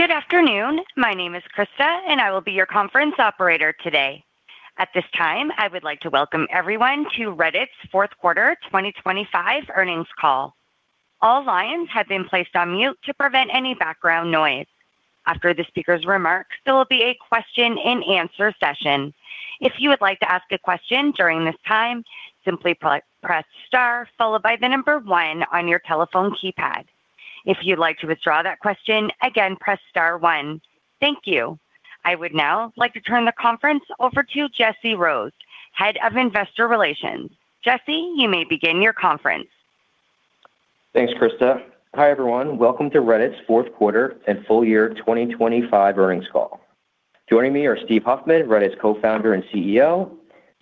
Good afternoon. My name is Krista, and I will be your conference operator today. At this time, I would like to welcome everyone to Reddit's fourth quarter 2025 earnings call. All lines have been placed on mute to prevent any background noise. After the speaker's remarks, there will be a question-and-answer session. If you would like to ask a question during this time, simply press star followed by the number one on your telephone keypad. If you'd like to withdraw that question, again, press star one. Thank you. I would now like to turn the conference over to Jesse Rhodes, Head of Investor Relations. Jesse, you may begin your conference. Thanks, Krista. Hi, everyone. Welcome to Reddit's fourth quarter and full year 2025 earnings call. Joining me are Steve Huffman, Reddit's Co-founder and CEO,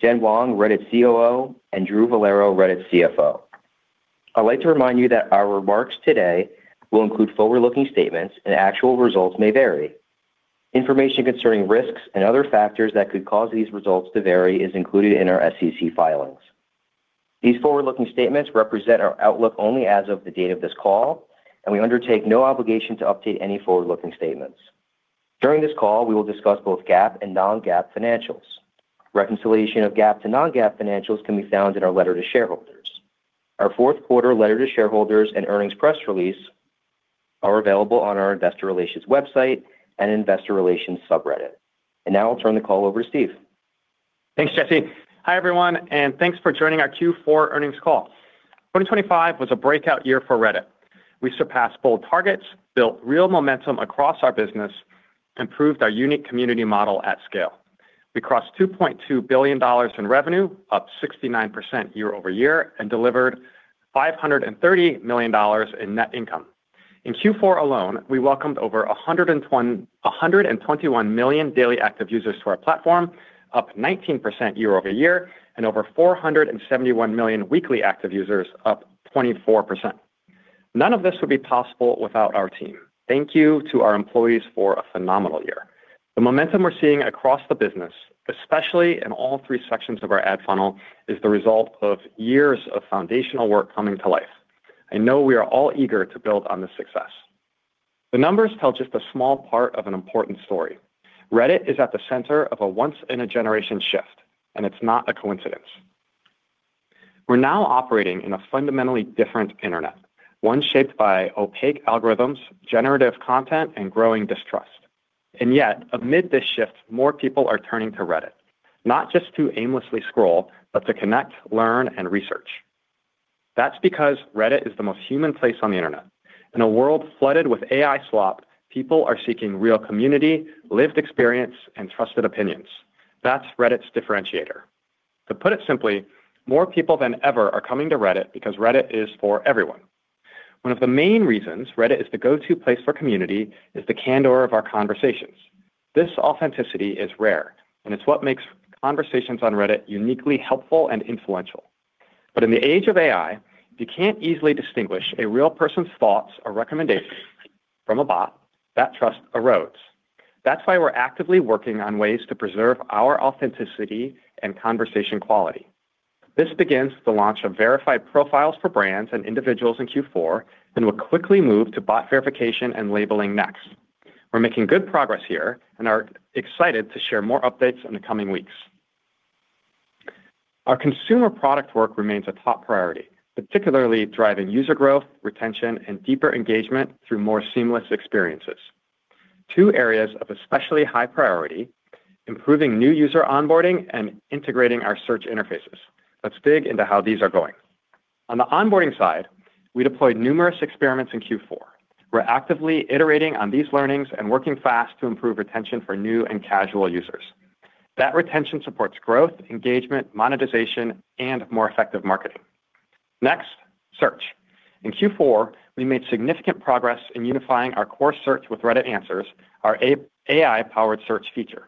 Jen Wong, Reddit's COO, and Drew Vollero, Reddit's CFO. I'd like to remind you that our remarks today will include forward-looking statements, and actual results may vary. Information concerning risks and other factors that could cause these results to vary is included in our SEC filings. These forward-looking statements represent our outlook only as of the date of this call, and we undertake no obligation to update any forward-looking statements. During this call, we will discuss both GAAP and non-GAAP financials. Reconciliation of GAAP to non-GAAP financials can be found in our letter to shareholders. Our fourth quarter letter to shareholders and earnings press release are available on our investor relations website and investor relations subreddit. Now I'll turn the call over to Steve. Thanks, Jesse. Hi, everyone, and thanks for joining our Q4 earnings call. 2025 was a breakout year for Reddit. We surpassed bold targets, built real momentum across our business, and proved our unique community model at scale. We crossed $2.2 billion in revenue, up 69% year-over-year, and delivered $530 million in net income. In Q4 alone, we welcomed over 121 million daily active users to our platform, up 19% year-over-year, and over 471 million weekly active users, up 24%. None of this would be possible without our team. Thank you to our employees for a phenomenal year. The momentum we're seeing across the business, especially in all three sections of our ad funnel, is the result of years of foundational work coming to life. I know we are all eager to build on this success. The numbers tell just a small part of an important story. Reddit is at the center of a once-in-a-generation shift, and it's not a coincidence. We're now operating in a fundamentally different internet, one shaped by opaque algorithms, generative content, and growing distrust. And yet, amid this shift, more people are turning to Reddit, not just to aimlessly scroll, but to connect, learn, and research. That's because Reddit is the most human place on the internet. In a world flooded with AI slop, people are seeking real community, lived experience, and trusted opinions. That's Reddit's differentiator. To put it simply, more people than ever are coming to Reddit because Reddit is for everyone. One of the main reasons Reddit is the go-to place for community is the candor of our conversations. This authenticity is rare, and it's what makes conversations on Reddit uniquely helpful and influential. But in the age of AI, if you can't easily distinguish a real person's thoughts or recommendations from a bot, that trust erodes. That's why we're actively working on ways to preserve our authenticity and conversation quality. This begins with the launch of verified profiles for brands and individuals in Q4, and we'll quickly move to bot verification and labeling next. We're making good progress here and are excited to share more updates in the coming weeks. Our consumer product work remains a top priority, particularly driving user growth, retention, and deeper engagement through more seamless experiences. Two areas of especially high priority: improving new user onboarding and integrating our search interfaces. Let's dig into how these are going. On the onboarding side, we deployed numerous experiments in Q4. We're actively iterating on these learnings and working fast to improve retention for new and casual users. That retention supports growth, engagement, monetization, and more effective marketing. Next, search. In Q4, we made significant progress in unifying our core search with Reddit Answers, our AI-powered search feature.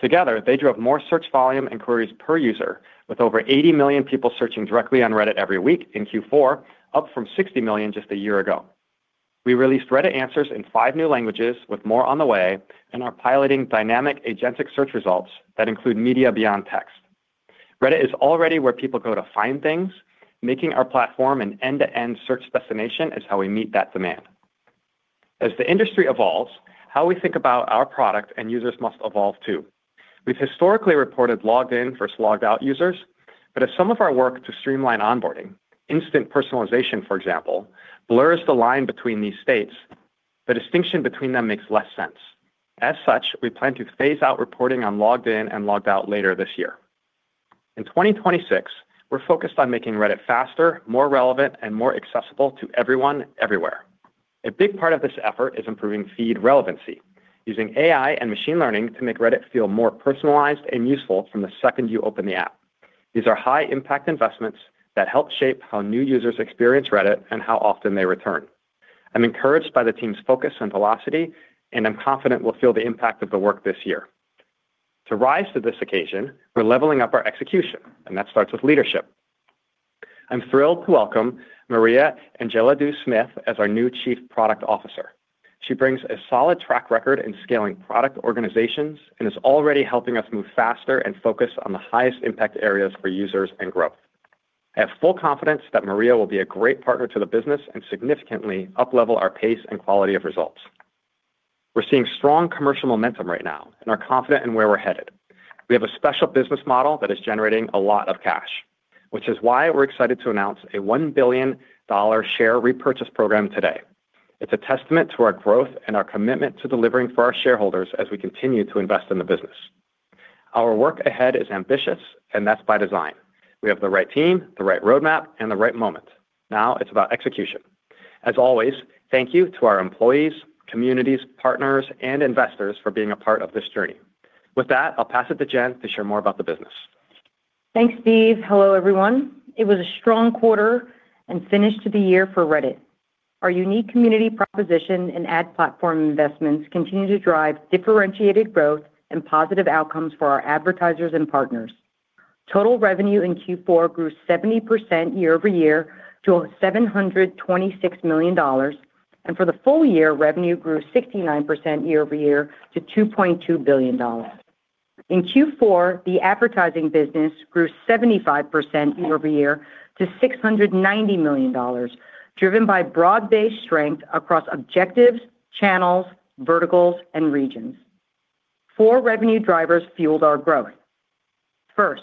Together, they drove more search volume and queries per user, with over 80 million people searching directly on Reddit every week in Q4, up from 60 million just a year ago. We released Reddit Answers in five new languages, with more on the way, and are piloting dynamic agentic search results that include media beyond text. Reddit is already where people go to find things. Making our platform an end-to-end search destination is how we meet that demand. As the industry evolves, how we think about our product and users must evolve too. We've historically reported logged in versus logged out users, but as some of our work to streamline onboarding, instant personalization, for example, blurs the line between these states, the distinction between them makes less sense. As such, we plan to phase out reporting on logged in and logged out later this year. In 2026, we're focused on making Reddit faster, more relevant, and more accessible to everyone, everywhere. A big part of this effort is improving feed relevancy, using AI and machine learning to make Reddit feel more personalized and useful from the second you open the app. These are high-impact investments that help shape how new users experience Reddit and how often they return. I'm encouraged by the team's focus and velocity, and I'm confident we'll feel the impact of the work this year. To rise to this occasion, we're leveling up our execution, and that starts with leadership. I'm thrilled to welcome Maria Angelidou-Smith as our new Chief Product Officer. She brings a solid track record in scaling product organizations and is already helping us move faster and focus on the highest impact areas for users and growth. I have full confidence that Maria will be a great partner to the business and significantly up-level our pace and quality of results. We're seeing strong commercial momentum right now and are confident in where we're headed. We have a special business model that is generating a lot of cash, which is why we're excited to announce a $1 billion share repurchase program today. It's a testament to our growth and our commitment to delivering for our shareholders as we continue to invest in the business. Our work ahead is ambitious, and that's by design. We have the right team, the right roadmap, and the right moment. Now it's about execution. As always, thank you to our employees, communities, partners, and investors for being a part of this journey. With that, I'll pass it to Jen to share more about the business. Thanks, Steve. Hello, everyone. It was a strong quarter and finish to the year for Reddit. Our unique community proposition and ad platform investments continue to drive differentiated growth and positive outcomes for our advertisers and partners. Total revenue in Q4 grew 70% year-over-year to over $726 million, and for the full year, revenue grew 69% year-over-year to $2.2 billion. In Q4, the advertising business grew 75% year-over-year to $690 million, driven by broad-based strength across objectives, channels, verticals, and regions. Four revenue drivers fueled our growth. First,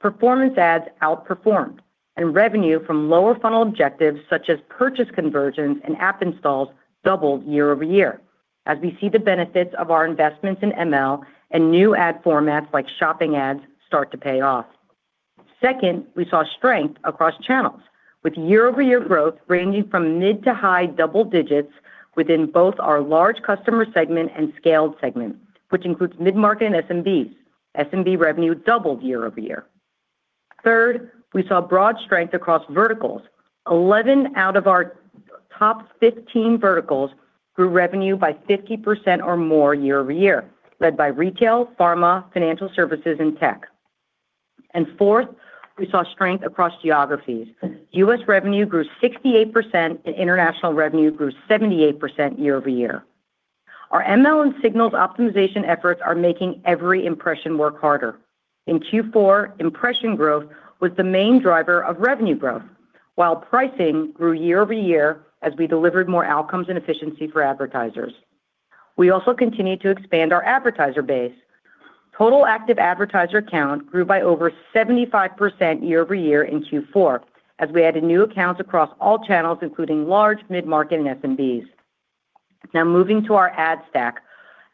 performance ads outperformed, and revenue from lower funnel objectives, such as purchase conversions and app installs, doubled year-over-year as we see the benefits of our investments in ML and new ad formats like shopping ads start to pay off. Second, we saw strength across channels, with year-over-year growth ranging from mid to high double digits within both our large customer segment and scaled segment, which includes mid-market and SMBs. SMB revenue doubled year-over-year. Third, we saw broad strength across verticals. 11 out of our top 15 verticals grew revenue by 50% or more year-over-year, led by retail, pharma, financial services, and tech. And fourth, we saw strength across geographies. U.S. revenue grew 68%, and international revenue grew 78% year-over-year. Our ML and signals optimization efforts are making every impression work harder. In Q4, impression growth was the main driver of revenue growth, while pricing grew year-over-year as we delivered more outcomes and efficiency for advertisers. We also continued to expand our advertiser base. Total active advertiser count grew by over 75% year-over-year in Q4 as we added new accounts across all channels, including large, mid-market, and SMBs. Now, moving to our ad stack,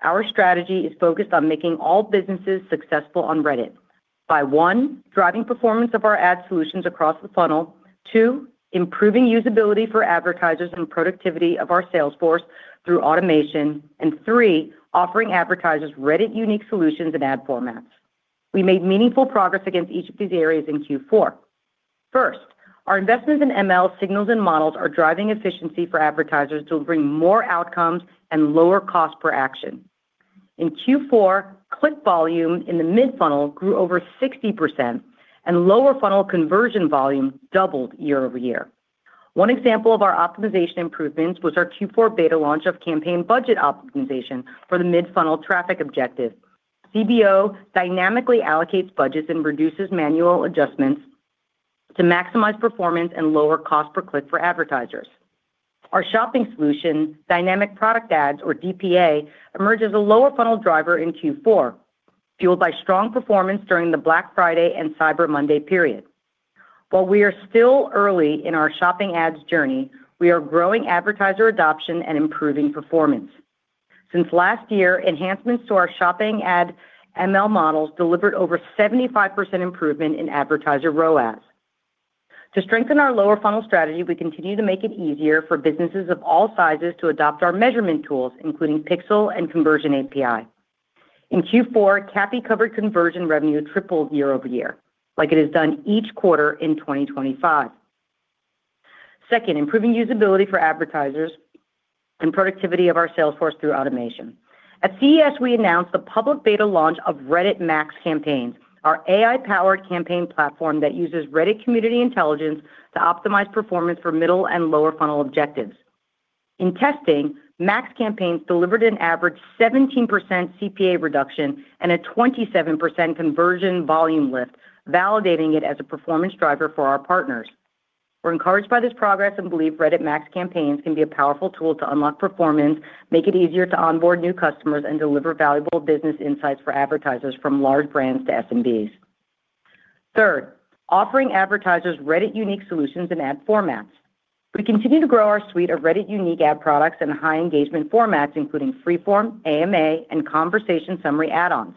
our strategy is focused on making all businesses successful on Reddit by, one, driving performance of our ad solutions across the funnel, two, improving usability for advertisers and productivity of our sales force through automation, and three, offering advertisers Reddit-unique solutions and ad formats. We made meaningful progress against each of these areas in Q4. First, our investments in ML signals and models are driving efficiency for advertisers to bring more outcomes and lower cost per action. In Q4, click volume in the mid-funnel grew over 60%, and lower-funnel conversion volume doubled year-over-year. One example of our optimization improvements was our Q4 beta launch of Campaign Budget Optimization for the mid-funnel traffic objective. CBO dynamically allocates budgets and reduces manual adjustments to maximize performance and lower cost per click for advertisers. Our shopping solution, Dynamic Product Ads, or DPA, emerged as a lower-funnel driver in Q4, fueled by strong performance during the Black Friday and Cyber Monday period. While we are still early in our shopping ads journey, we are growing advertiser adoption and improving performance. Since last year, enhancements to our shopping ad ML models delivered over 75% improvement in advertiser ROAS. To strengthen our lower-funnel strategy, we continue to make it easier for businesses of all sizes to adopt our measurement tools, including Pixel and Conversions API. In Q4, CAPI-covered conversion revenue tripled year-over-year, like it has done each quarter in 2025. Second, improving usability for advertisers and productivity of our sales force through automation. At CES, we announced the public beta launch of Reddit Max Campaigns, our AI-powered campaign platform that uses Reddit community intelligence to optimize performance for middle and lower-funnel objectives. In testing, Max Campaigns delivered an average 17% CPA reduction and a 27% conversion volume lift, validating it as a performance driver for our partners. We're encouraged by this progress and believe Reddit Max Campaigns can be a powerful tool to unlock performance, make it easier to onboard new customers, and deliver valuable business insights for advertisers from large brands to SMBs. Third, offering advertisers Reddit-unique solutions and ad formats. We continue to grow our suite of Reddit-unique ad products and high-engagement formats, including free-form, AMA, and Conversation Summary Add-ons.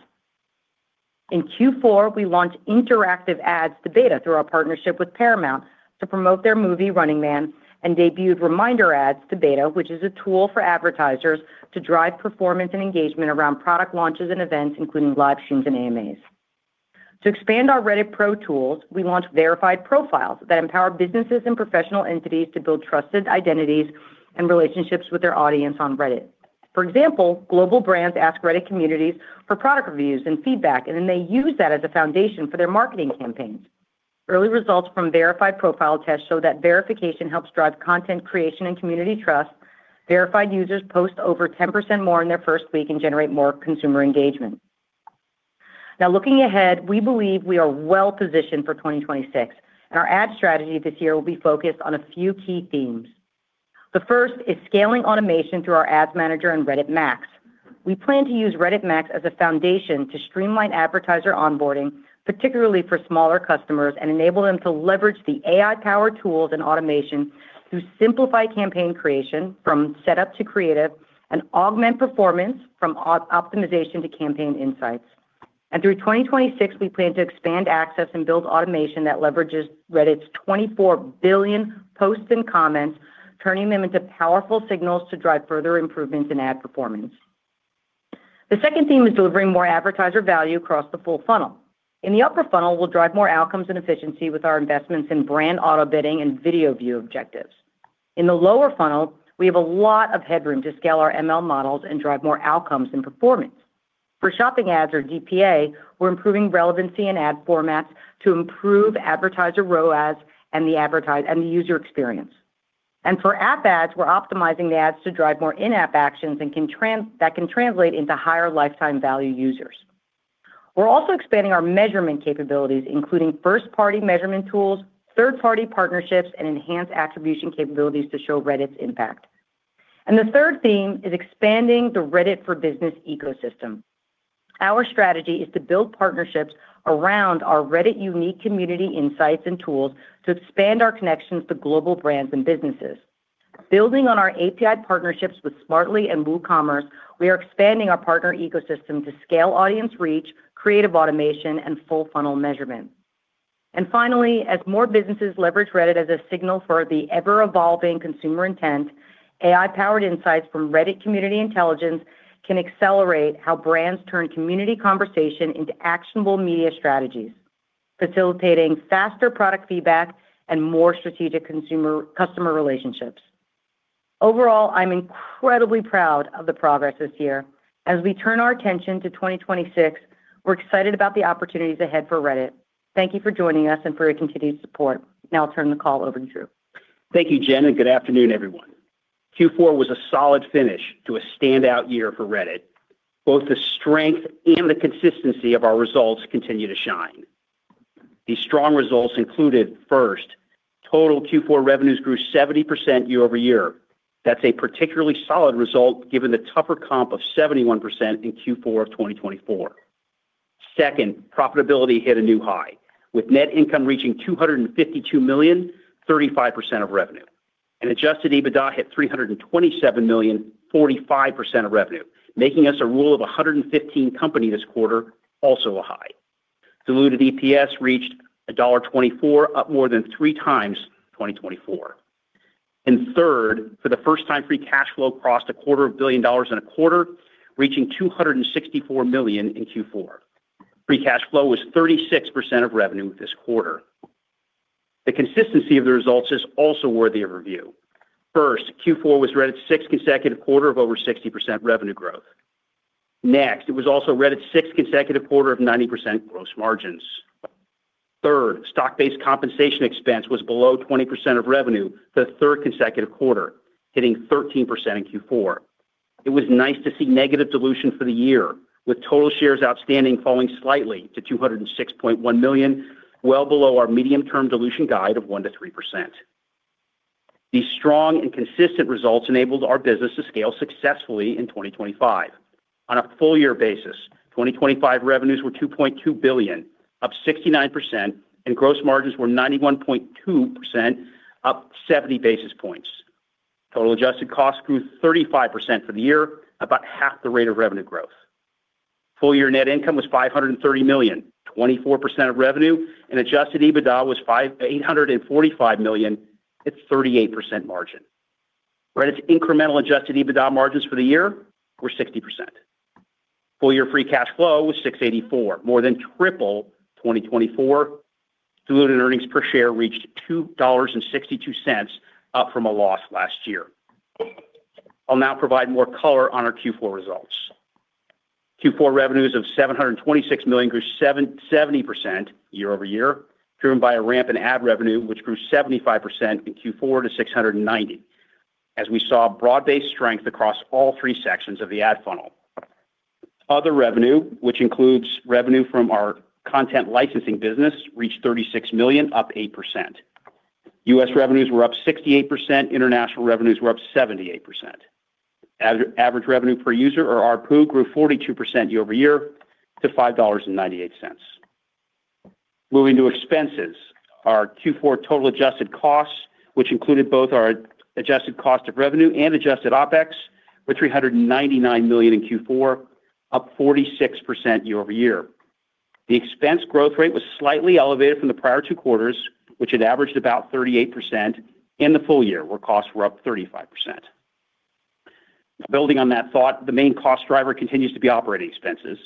In Q4, we launched Interactive Ads to beta through our partnership with Paramount to promote their movie, Running Man, and debuted Reminder Ads to beta, which is a tool for advertisers to drive performance and engagement around product launches and events, including live streams and AMAs. To expand our Reddit Pro tools, we launched Verified Profiles that empower businesses and professional entities to build trusted identities and relationships with their audience on Reddit. For example, global brands ask Reddit communities for product reviews and feedback, and then they use that as a foundation for their marketing campaigns. Early results from Verified Profiles tests show that verification helps drive content creation and community trust. Verified users post over 10% more in their first week and generate more consumer engagement... Now looking ahead, we believe we are well-positioned for 2026, and our ad strategy this year will be focused on a few key themes. The first is scaling automation through our Ads Manager and Reddit Max. We plan to use Reddit Max as a foundation to streamline advertiser onboarding, particularly for smaller customers, and enable them to leverage the AI-powered tools and automation to simplify campaign creation from setup to creative, and augment performance from optimization to campaign insights. And through 2026, we plan to expand access and build automation that leverages Reddit's 24 billion posts and comments, turning them into powerful signals to drive further improvements in ad performance. The second theme is delivering more advertiser value across the full funnel. In the upper funnel, we'll drive more outcomes and efficiency with our investments in brand auto bidding and video view objectives. In the lower funnel, we have a lot of headroom to scale our ML models and drive more outcomes and performance. For shopping ads or DPA, we're improving relevancy and ad formats to improve advertiser ROAS and the user experience. And for app ads, we're optimizing the ads to drive more in-app actions that can translate into higher lifetime value users. We're also expanding our measurement capabilities, including first-party measurement tools, third-party partnerships, and enhanced attribution capabilities to show Reddit's impact. And the third theme is expanding the Reddit for Business ecosystem. Our strategy is to build partnerships around our Reddit-unique community insights and tools to expand our connections to global brands and businesses. Building on our API partnerships with Smartly and WooCommerce, we are expanding our partner ecosystem to scale audience reach, creative automation, and full funnel measurement. Finally, as more businesses leverage Reddit as a signal for the ever-evolving consumer intent, AI-powered insights from Reddit Community Intelligence can accelerate how brands turn community conversation into actionable media strategies, facilitating faster product feedback and more strategic consumer-customer relationships. Overall, I'm incredibly proud of the progress this year. As we turn our attention to 2026, we're excited about the opportunities ahead for Reddit. Thank you for joining us and for your continued support. Now I'll turn the call over to Drew. Thank you, Jen, and good afternoon, everyone. Q4 was a solid finish to a standout year for Reddit. Both the strength and the consistency of our results continue to shine. These strong results included, first, total Q4 revenues grew 70% year-over-year. That's a particularly solid result, given the tougher comp of 71% in Q4 of 2024. Second, profitability hit a new high, with net income reaching $252 million, 35% of revenue, and adjusted EBITDA hit $327 million, 45% of revenue, making us a rule of 115 company this quarter, also a high. Diluted EPS reached $1.24, up more than 3x in 2024. And third, for the first time, free cash flow crossed $250 million in a quarter, reaching $264 million in Q4. Free cash flow was 36% of revenue this quarter. The consistency of the results is also worthy of review. First, Q4 was Reddit's sixth consecutive quarter of over 60% revenue growth. Next, it was also Reddit's sixth consecutive quarter of 90% gross margins. Third, stock-based compensation expense was below 20% of revenue for the third consecutive quarter, hitting 13% in Q4. It was nice to see negative dilution for the year, with total shares outstanding falling slightly to 206.1 million, well below our medium-term dilution guide of 1%-3%. These strong and consistent results enabled our business to scale successfully in 2025. On a full-year basis, 2025 revenues were $2.2 billion, up 69%, and gross margins were 91.2%, up 70 basis points. Total adjusted costs grew 35% for the year, about half the rate of revenue growth. Full-year net income was $530 million, 24% of revenue, and adjusted EBITDA was $845 million, it's 38% margin. Reddit's incremental adjusted EBITDA margins for the year were 60%. Full-year free cash flow was $684 million, more than triple 2024. Diluted earnings per share reached $2.62, up from a loss last year. I'll now provide more color on our Q4 results. Q4 revenues of $726 million grew 70% year-over-year, driven by a ramp in ad revenue, which grew 75% in Q4 to $690 million, as we saw broad-based strength across all three sections of the ad funnel. Other revenue, which includes revenue from our content licensing business, reached $36 million, up 8%. U.S. revenues were up 68%, international revenues were up 78%. Average revenue per user, or ARPU, grew 42% year-over-year to $5.98. Moving to expenses, our Q4 total adjusted costs, which included both our adjusted cost of revenue and adjusted OpEx, were $399 million in Q4, up 46% year-over-year. The expense growth rate was slightly elevated from the prior two quarters, which had averaged about 38% in the full year, where costs were up 35%. Building on that thought, the main cost driver continues to be operating expenses,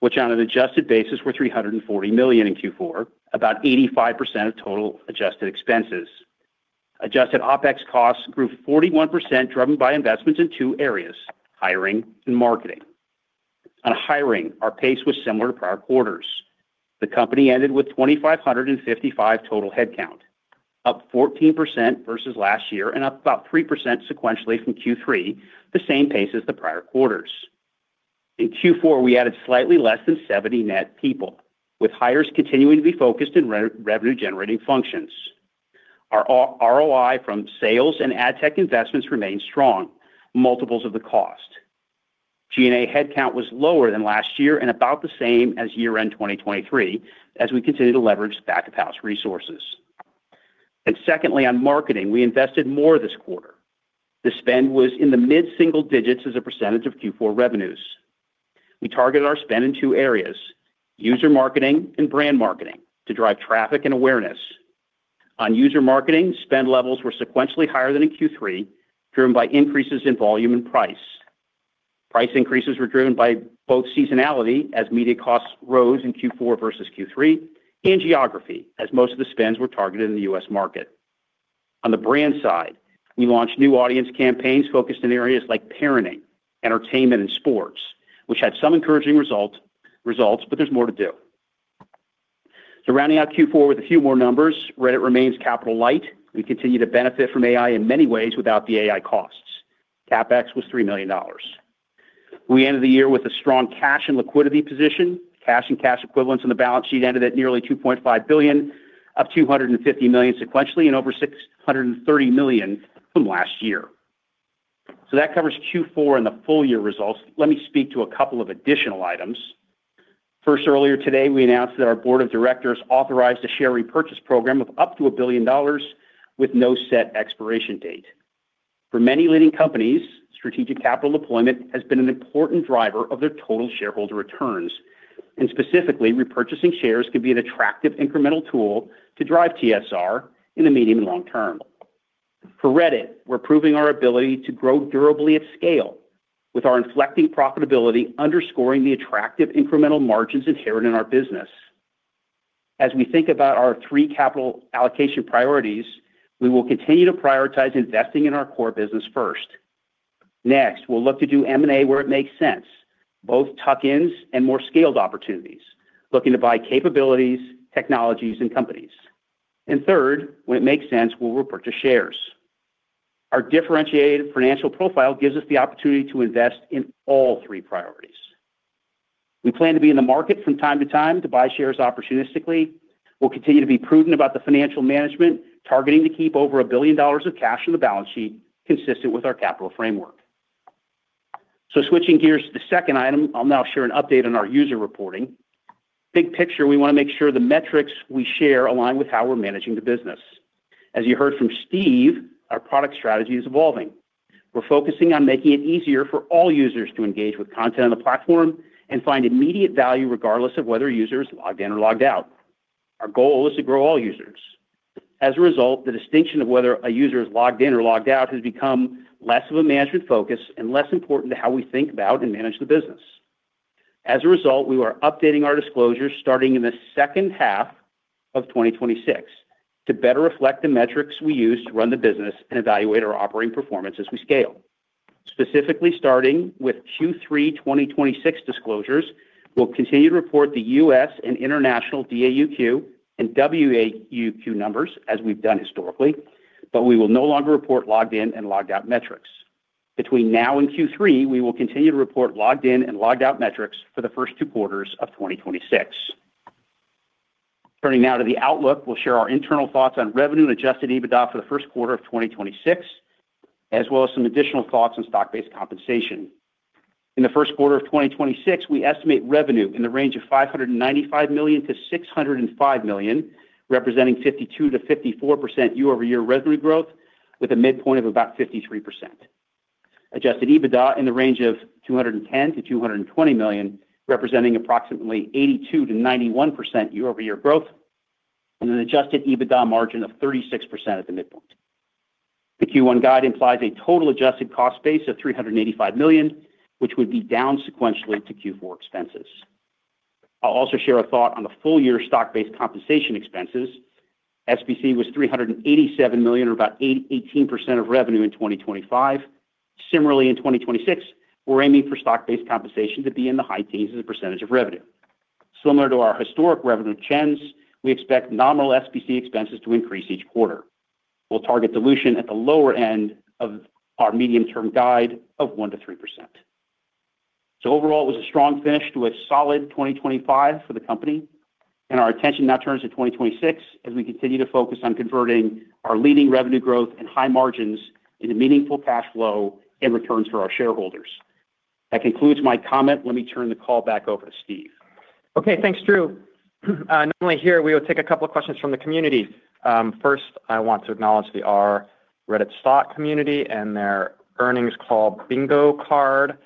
which on an adjusted basis, were $340 million in Q4, about 85% of total adjusted expenses. Adjusted OpEx costs grew 41%, driven by investments in two areas, hiring and marketing. On hiring, our pace was similar to prior quarters. The company ended with 2,555 total headcount, up 14% versus last year and up about 3% sequentially from Q3, the same pace as the prior quarters. In Q4, we added slightly less than 70 net people, with hires continuing to be focused in revenue-generating functions. Our ROI from sales and ad tech investments remained strong, multiples of the cost. G&A headcount was lower than last year and about the same as year-end 2023, as we continue to leverage back-office resources. Secondly, on marketing, we invested more this quarter. The spend was in the mid-single digits as a percentage of Q4 revenues. We targeted our spend in two areas, user marketing and brand marketing to drive traffic and awareness. On user marketing, spend levels were sequentially higher than in Q3, driven by increases in volume and price. Price increases were driven by both seasonality, as media costs rose in Q4 versus Q3, and geography, as most of the spends were targeted in the U.S. market. On the brand side, we launched new audience campaigns focused in areas like parenting, entertainment, and sports, which had some encouraging results, but there's more to do. So rounding out Q4 with a few more numbers, Reddit remains capital light. We continue to benefit from AI in many ways without the AI costs. CapEx was $3 million. We ended the year with a strong cash and liquidity position. Cash and cash equivalents on the balance sheet ended at nearly $2.5 billion, up $250 million sequentially and over $630 million from last year. So that covers Q4 and the full year results. Let me speak to a couple of additional items. First, earlier today, we announced that our board of directors authorized a share repurchase program of up to $1 billion with no set expiration date. For many leading companies, strategic capital deployment has been an important driver of their total shareholder returns, and specifically, repurchasing shares can be an attractive incremental tool to drive TSR in the medium and long term. For Reddit, we're proving our ability to grow durably at scale, with our inflecting profitability underscoring the attractive incremental margins inherent in our business. As we think about our three capital allocation priorities, we will continue to prioritize investing in our core business first. Next, we'll look to do M&A where it makes sense, both tuck-ins and more scaled opportunities, looking to buy capabilities, technologies, and companies. And third, when it makes sense, we'll repurchase shares. Our differentiated financial profile gives us the opportunity to invest in all three priorities. We plan to be in the market from time to time to buy shares opportunistically. We'll continue to be prudent about the financial management, targeting to keep over $1 billion of cash on the balance sheet, consistent with our capital framework. So switching gears to the second item, I'll now share an update on our user reporting. Big picture, we want to make sure the metrics we share align with how we're managing the business. As you heard from Steve, our product strategy is evolving. We're focusing on making it easier for all users to engage with content on the platform and find immediate value, regardless of whether a user is logged in or logged out. Our goal is to grow all users. As a result, the distinction of whether a user is logged in or logged out has become less of a management focus and less important to how we think about and manage the business. As a result, we are updating our disclosures starting in the second half of 2026 to better reflect the metrics we use to run the business and evaluate our operating performance as we scale. Specifically, starting with Q3 2026 disclosures, we'll continue to report the U.S. and international DAUq and WAUq numbers as we've done historically, but we will no longer report logged in and logged out metrics. Between now and Q3, we will continue to report logged in and logged out metrics for the first two quarters of 2026. Turning now to the outlook, we'll share our internal thoughts on revenue and adjusted EBITDA for the first quarter of 2026, as well as some additional thoughts on stock-based compensation. In the first quarter of 2026, we estimate revenue in the range of $595 million-$605 million, representing 52%-54% year-over-year revenue growth, with a midpoint of about 53%. Adjusted EBITDA in the range of $210 million-$220 million, representing approximately 82%-91% year-over-year growth, and an adjusted EBITDA margin of 36% at the midpoint. The Q1 guide implies a total adjusted cost base of $385 million, which would be down sequentially to Q4 expenses. I'll also share a thought on the full-year stock-based compensation expenses. SBC was $387 million, or about 18% of revenue in 2025. Similarly, in 2026, we're aiming for stock-based compensation to be in the high teens% as a percentage of revenue. Similar to our historic revenue trends, we expect nominal SBC expenses to increase each quarter. We'll target dilution at the lower end of our medium-term guide of 1%-3%. So overall, it was a strong finish to a solid 2025 for the company, and our attention now turns to 2026 as we continue to focus on converting our leading revenue growth and high margins into meaningful cash flow and returns for our shareholders. That concludes my comment. Let me turn the call back over to Steve. Okay, thanks, Drew. Normally here, we would take a couple of questions from the community. First, I want to acknowledge the r/RedditStock community and their earnings call bingo card.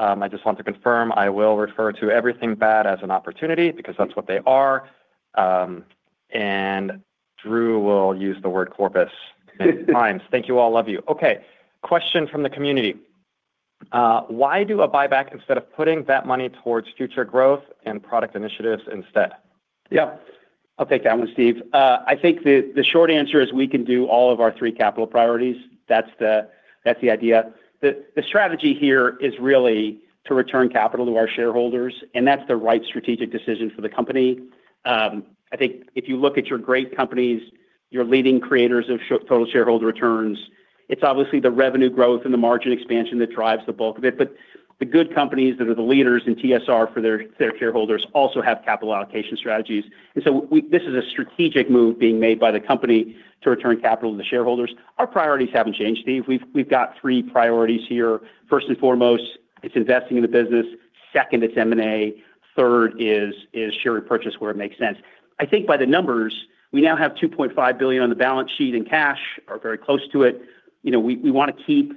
I just want to confirm, I will refer to everything bad as an opportunity, because that's what they are. And Drew will use the word corpus many times. Thank you all, love you. Okay, question from the community, why do a buyback instead of putting that money towards future growth and product initiatives instead? Yeah. I'll take that one, Steve. I think the short answer is we can do all of our three capital priorities. That's the idea. The strategy here is really to return capital to our shareholders, and that's the right strategic decision for the company. I think if you look at your great companies, your leading creators of total shareholder returns, it's obviously the revenue growth and the margin expansion that drives the bulk of it. But the good companies that are the leaders in TSR for their shareholders also have capital allocation strategies, and so this is a strategic move being made by the company to return capital to the shareholders. Our priorities haven't changed, Steve. We've got three priorities here. First and foremost, it's investing in the business. Second, it's M&A. Third is share repurchase where it makes sense. I think by the numbers, we now have $2.5 billion on the balance sheet in cash, or very close to it. You know, we want to keep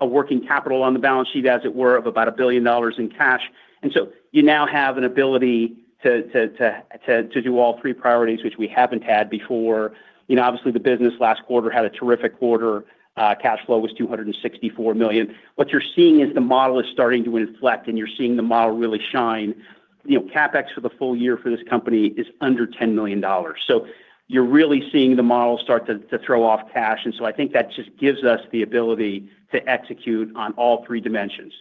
a working capital on the balance sheet, as it were, of about $1 billion in cash. And so you now have an ability to do all three priorities, which we haven't had before. You know, obviously, the business last quarter had a terrific quarter. Cash flow was $264 million. What you're seeing is the model is starting to inflect, and you're seeing the model really shine. You know, CapEx for the full year for this company is under $10 million. So you're really seeing the model start to throw off cash, and so I think that just gives us the ability to execute on all three dimensions.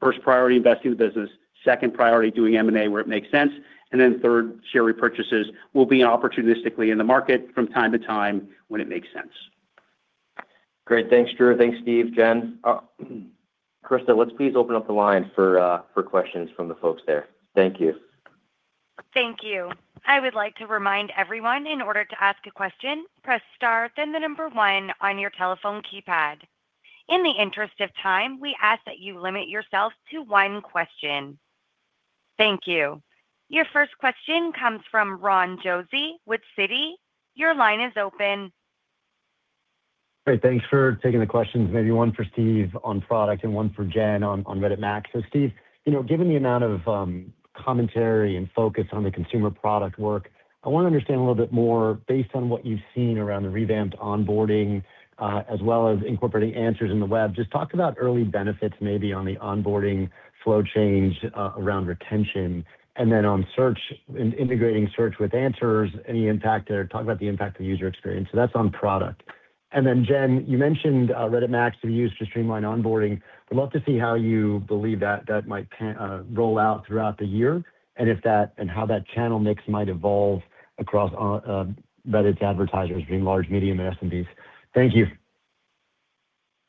First priority, investing in the business. Second priority, doing M&A where it makes sense. And then third, share repurchases. We'll be opportunistically in the market from time to time when it makes sense. Great. Thanks, Drew. Thanks, Steve, Jen. Krista, let's please open up the line for for questions from the folks there. Thank you. Thank you. I would like to remind everyone, in order to ask a question, press star, then the number one on your telephone keypad. In the interest of time, we ask that you limit yourself to one question. Thank you. Your first question comes from Ron Josey with Citi. Your line is open. Great. Thanks for taking the questions. Maybe one for Steve on product and one for Jen on Reddit Max. So Steve, you know, given the amount of commentary and focus on the consumer product work, I want to understand a little bit more based on what you've seen around the revamped onboarding, as well as incorporating answers in the web. Just talk about early benefits, maybe on the onboarding flow change, around retention, and then on search and integrating search with answers, any impact there? Talk about the impact of user experience. So that's on product. And then, Jen, you mentioned Reddit Max to be used to streamline onboarding. I'd love to see how you believe that might pan out, roll out throughout the year, and if that and how that channel mix might evolve across Reddit's advertisers between large, medium, and SMBs. Thank you.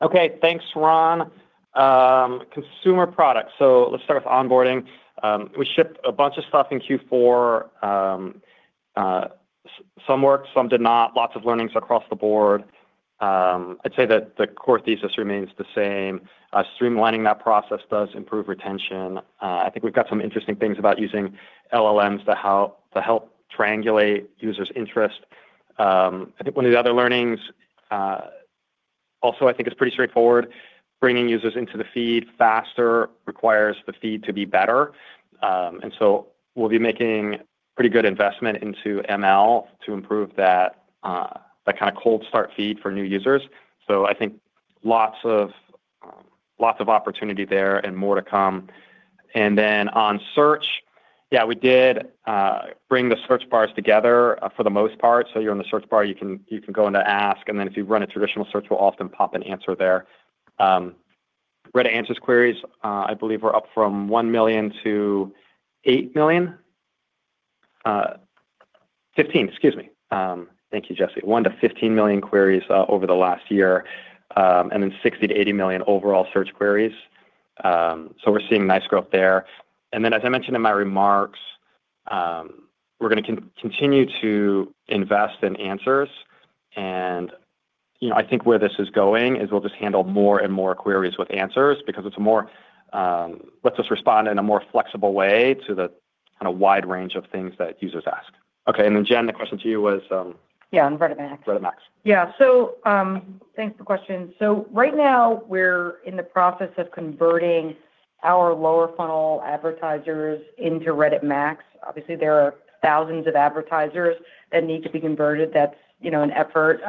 Okay, thanks, Ron. Consumer products. So let's start with onboarding. We shipped a bunch of stuff in Q4. Some worked, some did not. Lots of learnings across the board. I'd say that the core thesis remains the same. Streamlining that process does improve retention. I think we've got some interesting things about using LLMs to help, to help triangulate users' interest. I think one of the other learnings, also, I think is pretty straightforward. Bringing users into the feed faster requires the feed to be better. And so we'll be making pretty good investment into ML to improve that, that kind of cold start feed for new users. So I think lots of, lots of opportunity there and more to come. And then on search, yeah, we did bring the search bars together, for the most part. So you're on the search bar, you can, you can go into ask, and then if you run a traditional search, we'll often pop an answer there. Reddit Answers queries, I believe are up from 1 million to 8 million. Fifteen, excuse me. Thank you, Jesse. 1 million to 15 million queries, over the last year, and then 60 million-80 million overall search queries. So we're seeing nice growth there. Then, as I mentioned in my remarks, we're going to continue to invest in answers. And, you know, I think where this is going is we'll just handle more and more queries with answers because it's more... lets us respond in a more flexible way to the kind of wide range of things that users ask. Okay, and then, Jen, the question to you was— Yeah, on Reddit Max. Reddit Max. Yeah. So, thanks for the question. So right now, we're in the process of converting our lower funnel advertisers into Reddit Max. Obviously, there are thousands of advertisers that need to be converted. That's, you know, an effort.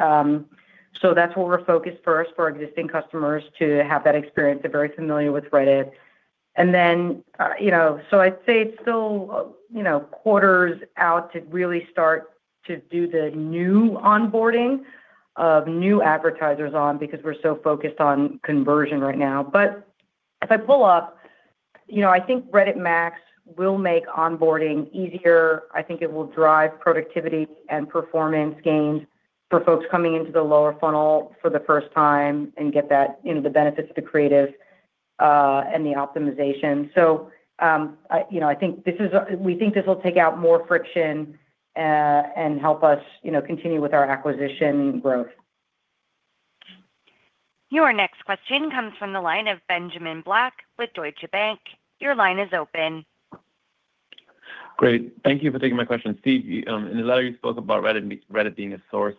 So that's what we're focused first, for our existing customers to have that experience. They're very familiar with Reddit. And then, you know, so I'd say it's still, you know, quarters out to really start to do the new onboarding of new advertisers on because we're so focused on conversion right now. But if I pull up, you know, I think Reddit Max will make onboarding easier. I think it will drive productivity and performance gains for folks coming into the lower funnel for the first time and get that, you know, the benefits of the creative, and the optimization. You know, I think we think this will take out more friction and help us, you know, continue with our acquisition growth. Your next question comes from the line of Benjamin Black with Deutsche Bank. Your line is open. Great. Thank you for taking my question. Steve, in the letter, you spoke about Reddit being a source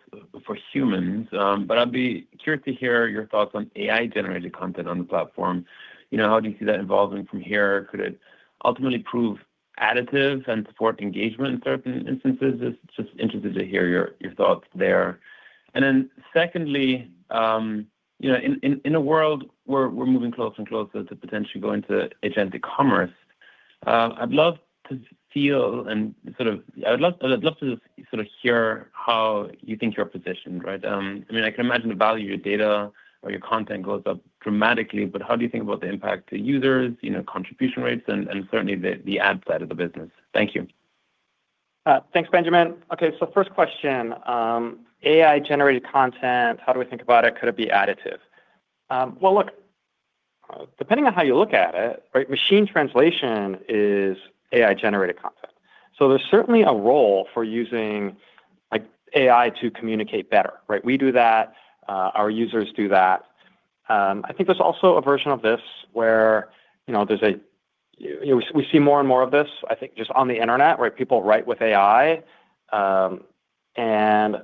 for humans, but I'd be curious to hear your thoughts on AI-generated content on the platform. You know, how do you see that evolving from here? Could it ultimately prove additive and support engagement in certain instances? Just interested to hear your thoughts there. Then secondly, you know, in a world where we're moving closer and closer to potentially going to agentic commerce, I'd love to sort of hear how you think you're positioned, right? I mean, I can imagine the value of your data or your content goes up dramatically, but how do you think about the impact to users, you know, contribution rates, and certainly the ad side of the business? Thank you. Thanks, Benjamin. Okay, so first question: AI-generated content, how do we think about it? Could it be additive? Well, look, depending on how you look at it, right, machine translation is AI-generated content. So there's certainly a role for using, like, AI to communicate better, right? We do that, our users do that. I think there's also a version of this where, you know, you know, we, we see more and more of this, I think, just on the internet, where people write with AI. And,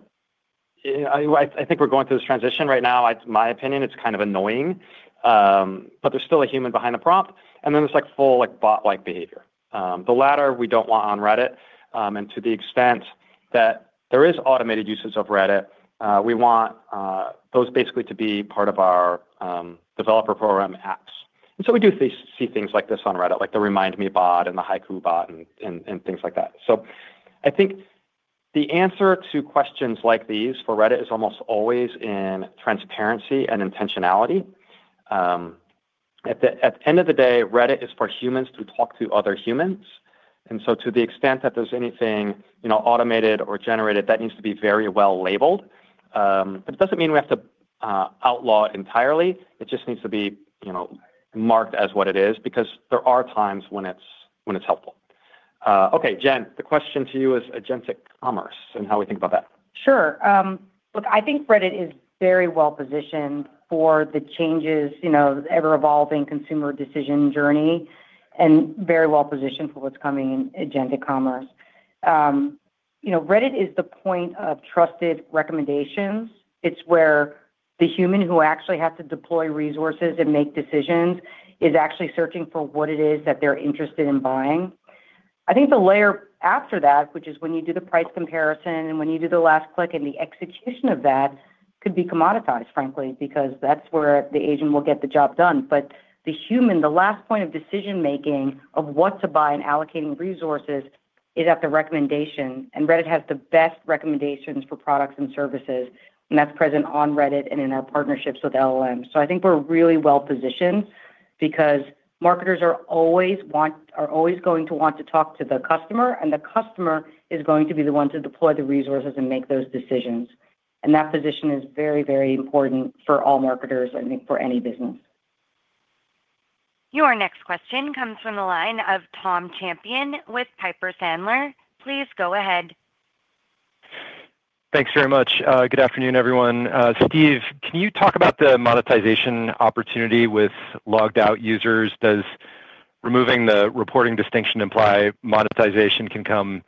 I think we're going through this transition right now. It's my opinion, it's kind of annoying, but there's still a human behind the prompt, and then there's, like, full, like, bot-like behavior. The latter, we don't want on Reddit, and to the extent that there is automated uses of Reddit, we want those basically to be part of our developer program apps. And so we do see things like this on Reddit, like the RemindMeBot and the Haiku bot and things like that. So I think the answer to questions like these for Reddit is almost always in transparency and intentionality. At the end of the day, Reddit is for humans to talk to other humans, and so to the extent that there's anything, you know, automated or generated, that needs to be very well labeled. But it doesn't mean we have to outlaw it entirely. It just needs to be, you know, marked as what it is, because there are times when it's helpful. Okay, Jen, the question to you is agentic commerce and how we think about that. Sure. Look, I think Reddit is very well positioned for the changes, you know, the ever-evolving consumer decision journey, and very well positioned for what's coming in agentic commerce. You know, Reddit is the point of trusted recommendations. It's where the human who actually has to deploy resources and make decisions is actually searching for what it is that they're interested in buying. I think the layer after that, which is when you do the price comparison and when you do the last click, and the execution of that could be commoditized, frankly, because that's where the agent will get the job done. But the human, the last point of decision-making of what to buy and allocating resources, is at the recommendation, and Reddit has the best recommendations for products and services, and that's present on Reddit and in our partnerships with LLM. I think we're really well positioned because marketers are always going to want to talk to the customer, and the customer is going to be the one to deploy the resources and make those decisions, and that position is very, very important for all marketers, I think, for any business. Your next question comes from the line of Tom Champion with Piper Sandler. Please go ahead. Thanks very much. Good afternoon, everyone. Steve, can you talk about the monetization opportunity with logged-out users? Does removing the reporting distinction imply monetization can come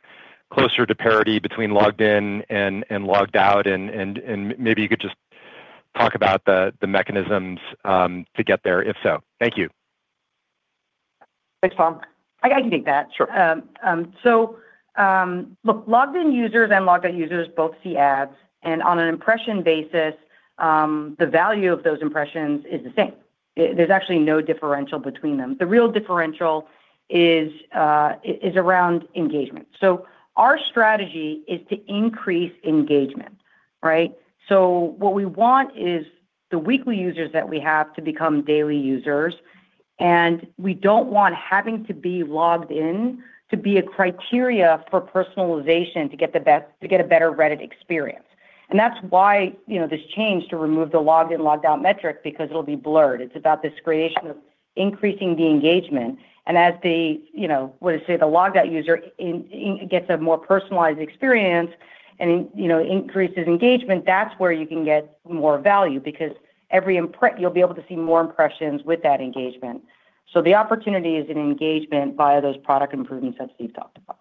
closer to parity between logged in and maybe you could just talk about the mechanisms to get there, if so. Thank you. Thanks, Tom. I can take that. Sure. So, look, logged-in users and logged-out users both see ads, and on an impression basis, the value of those impressions is the same. There's actually no differential between them. The real differential is around engagement. So our strategy is to increase engagement, right? So what we want is the weekly users that we have to become daily users, and we don't want having to be logged in to be a criteria for personalization to get the best- to get a better Reddit experience. And that's why, you know, this change to remove the logged in, logged out metric because it'll be blurred. It's about this creation of increasing the engagement, and as the, you know, we say, the logged-out user gets a more personalized experience and, you know, increases engagement, that's where you can get more value because every, you'll be able to see more impressions with that engagement. So the opportunity is in engagement via those product improvements that Steve talked about.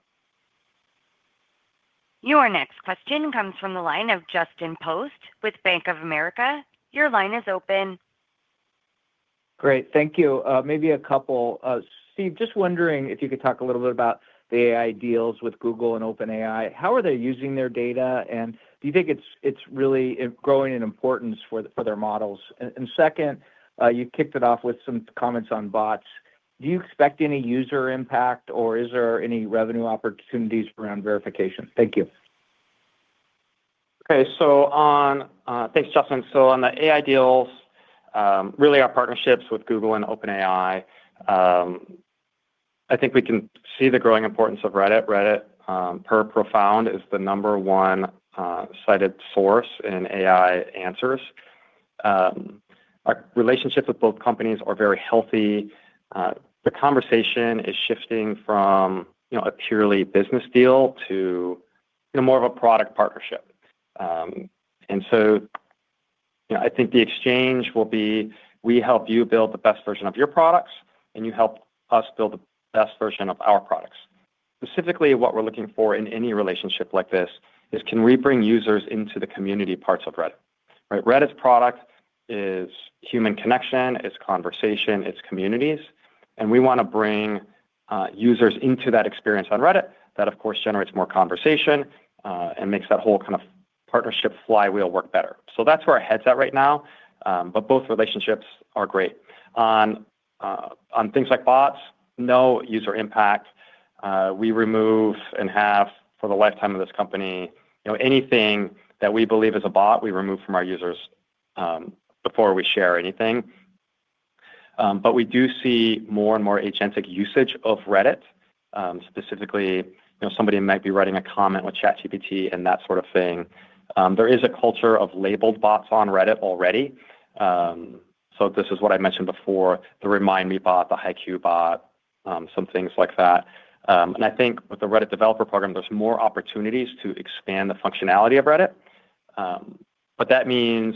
Your next question comes from the line of Justin Post with Bank of America. Your line is open. Great. Thank you. Maybe a couple. Steve, just wondering if you could talk a little bit about the AI deals with Google and OpenAI. How are they using their data, and do you think it's, it's really growing in importance for, for their models? And second, you kicked it off with some comments on bots. Do you expect any user impact, or is there any revenue opportunities around verification? Thank you. Okay, so on, Thanks, Justin. So on the AI deals, really our partnerships with Google and OpenAI, I think we can see the growing importance of Reddit. Reddit, per Profound, is the number one, cited source in AI answers. Our relationships with both companies are very healthy. The conversation is shifting from, you know, a purely business deal to, you know, more of a product partnership. And so, you know, I think the exchange will be, we help you build the best version of your products, and you help us build the best version of our products. Specifically, what we're looking for in any relationship like this is, can we bring users into the community parts of Reddit, right? Reddit's product is human connection, it's conversation, it's communities, and we want to bring, users into that experience on Reddit. That, of course, generates more conversation, and makes that whole kind of partnership flywheel work better. So that's where our head's at right now, but both relationships are great. On, on things like bots, no user impact. We remove and have, for the lifetime of this company, you know, anything that we believe is a bot, we remove from our users, before we share anything. But we do see more and more agentic usage of Reddit, specifically, you know, somebody might be writing a comment with ChatGPT and that sort of thing. There is a culture of labeled bots on Reddit already. So this is what I mentioned before, the Remind Me bot, the HiQ bot, some things like that. I think with the Reddit developer program, there's more opportunities to expand the functionality of Reddit, but that means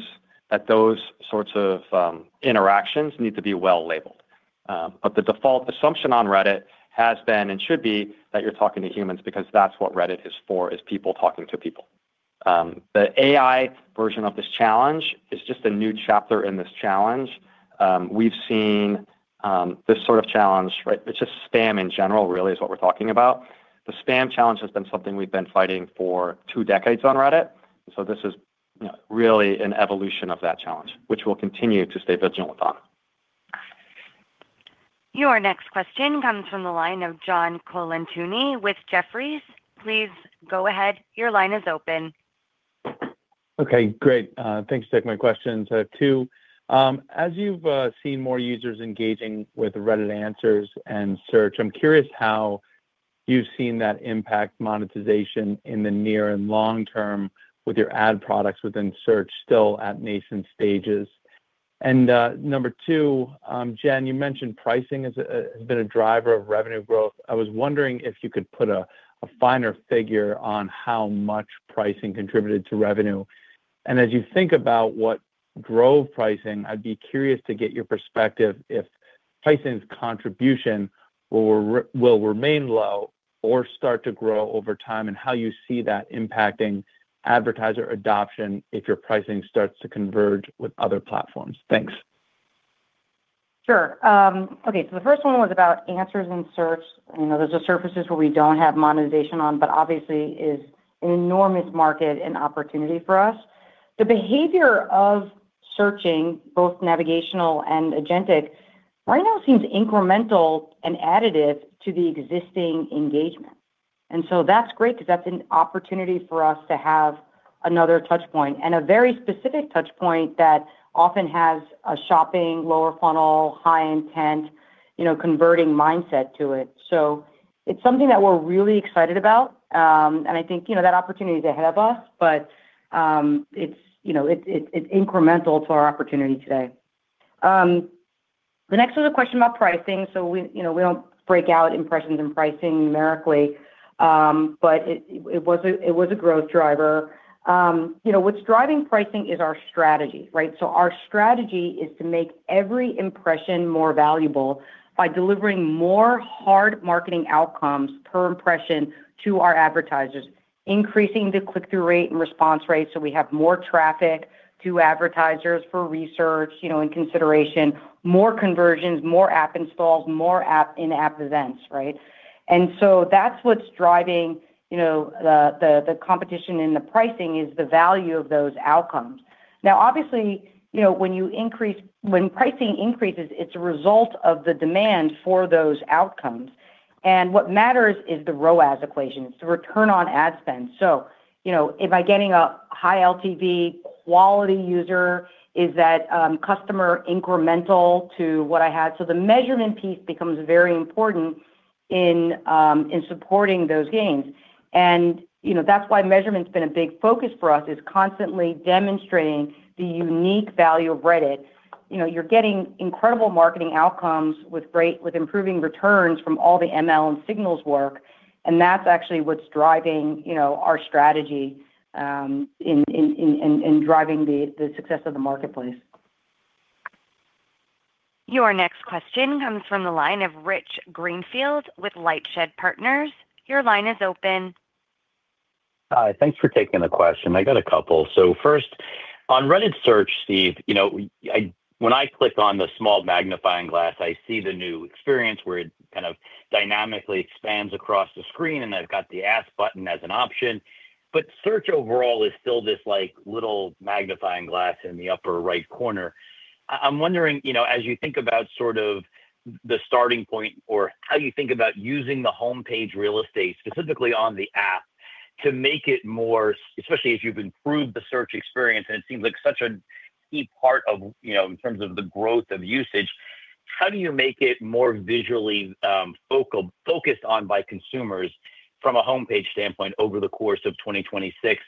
that those sorts of interactions need to be well labeled. But the default assumption on Reddit has been, and should be, that you're talking to humans because that's what Reddit is for, is people talking to people. The AI version of this challenge is just a new chapter in this challenge. We've seen this sort of challenge, right? It's just spam in general, really, is what we're talking about. The spam challenge has been something we've been fighting for two decades on Reddit, so this is, you know, really an evolution of that challenge, which we'll continue to stay vigilant on. Your next question comes from the line of John Colantuoni with Jefferies. Please go ahead. Your line is open. Okay, great. Thanks for taking my questions. I have two. As you've seen more users engaging with Reddit Answers and search, I'm curious how you've seen that impact monetization in the near and long term with your ad products within search still at nascent stages. And number two, Jen, you mentioned pricing has been a driver of revenue growth. I was wondering if you could put a finer figure on how much pricing contributed to revenue. And as you think about what drove pricing, I'd be curious to get your perspective if pricing's contribution will remain low or start to grow over time, and how you see that impacting advertiser adoption if your pricing starts to converge with other platforms. Thanks. Sure. Okay, so the first one was about answers and search. You know, those are surfaces where we don't have monetization on, but obviously is an enormous market and opportunity for us. The behavior of searching, both navigational and agentic, right now seems incremental and additive to the existing engagement, and so that's great because that's an opportunity for us to have another touch point, and a very specific touch point that often has a shopping, lower funnel, high intent, you know, converting mindset to it. So it's something that we're really excited about. And I think, you know, that opportunity is ahead of us, but, you know, it's incremental to our opportunity today. The next was a question about pricing. So we, you know, we don't break out impressions and pricing numerically, but it was a growth driver. You know, what's driving pricing is our strategy, right? So our strategy is to make every impression more valuable by delivering more hard marketing outcomes per impression to our advertisers, increasing the click-through rate and response rate, so we have more traffic to advertisers for research, you know, and consideration, more conversions, more app installs, more app, in-app events, right? And so that's what's driving, you know, the competition in the pricing, is the value of those outcomes. Now, obviously, you know, when pricing increases, it's a result of the demand for those outcomes, and what matters is the ROAS equation, it's the return on ad spend. So, you know, if I'm getting a high LTV quality user, is that customer incremental to what I had? So the measurement piece becomes very important in supporting those gains. You know, that's why measurement's been a big focus for us, is constantly demonstrating the unique value of Reddit. You know, you're getting incredible marketing outcomes with improving returns from all the ML and signals work, and that's actually what's driving, you know, our strategy in driving the success of the marketplace. Your next question comes from the line of Rich Greenfield with LightShed Partners. Your line is open. Hi, thanks for taking the question. I got a couple. So first, on Reddit search, Steve, you know, when I click on the small magnifying glass, I see the new experience, where it kind of dynamically expands across the screen, and I've got the ask button as an option. But search overall is still this, like, little magnifying glass in the upper right corner. I'm wondering, you know, as you think about sort of the starting point or how you think about using the homepage real estate, specifically on the app, to make it more, especially as you've improved the search experience, and it seems like such a key part of, you know, in terms of the growth of usage, how do you make it more visually focal, focused on by consumers from a homepage standpoint over the course of 2026?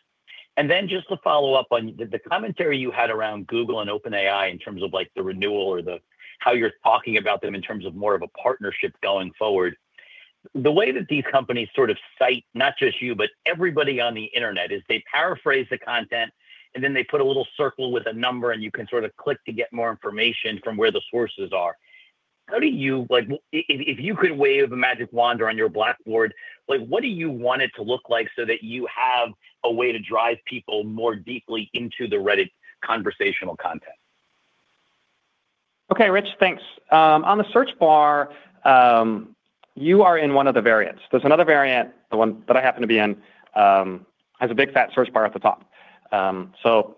And then just to follow up on the commentary you had around Google and OpenAI in terms of, like, the renewal or the, how you're talking about them in terms of more of a partnership going forward. The way that these companies sort of cite not just you, but everybody on the internet, is they paraphrase the content, and then they put a little circle with a number, and you can sort of click to get more information from where the sources are. How do you, like, if you could wave a magic wand around your blackboard, like, what do you want it to look like so that you have a way to drive people more deeply into the Reddit conversational content? Okay, Rich, thanks. On the search bar, you are in one of the variants. There's another variant, the one that I happen to be in, has a big, fat search bar at the top. So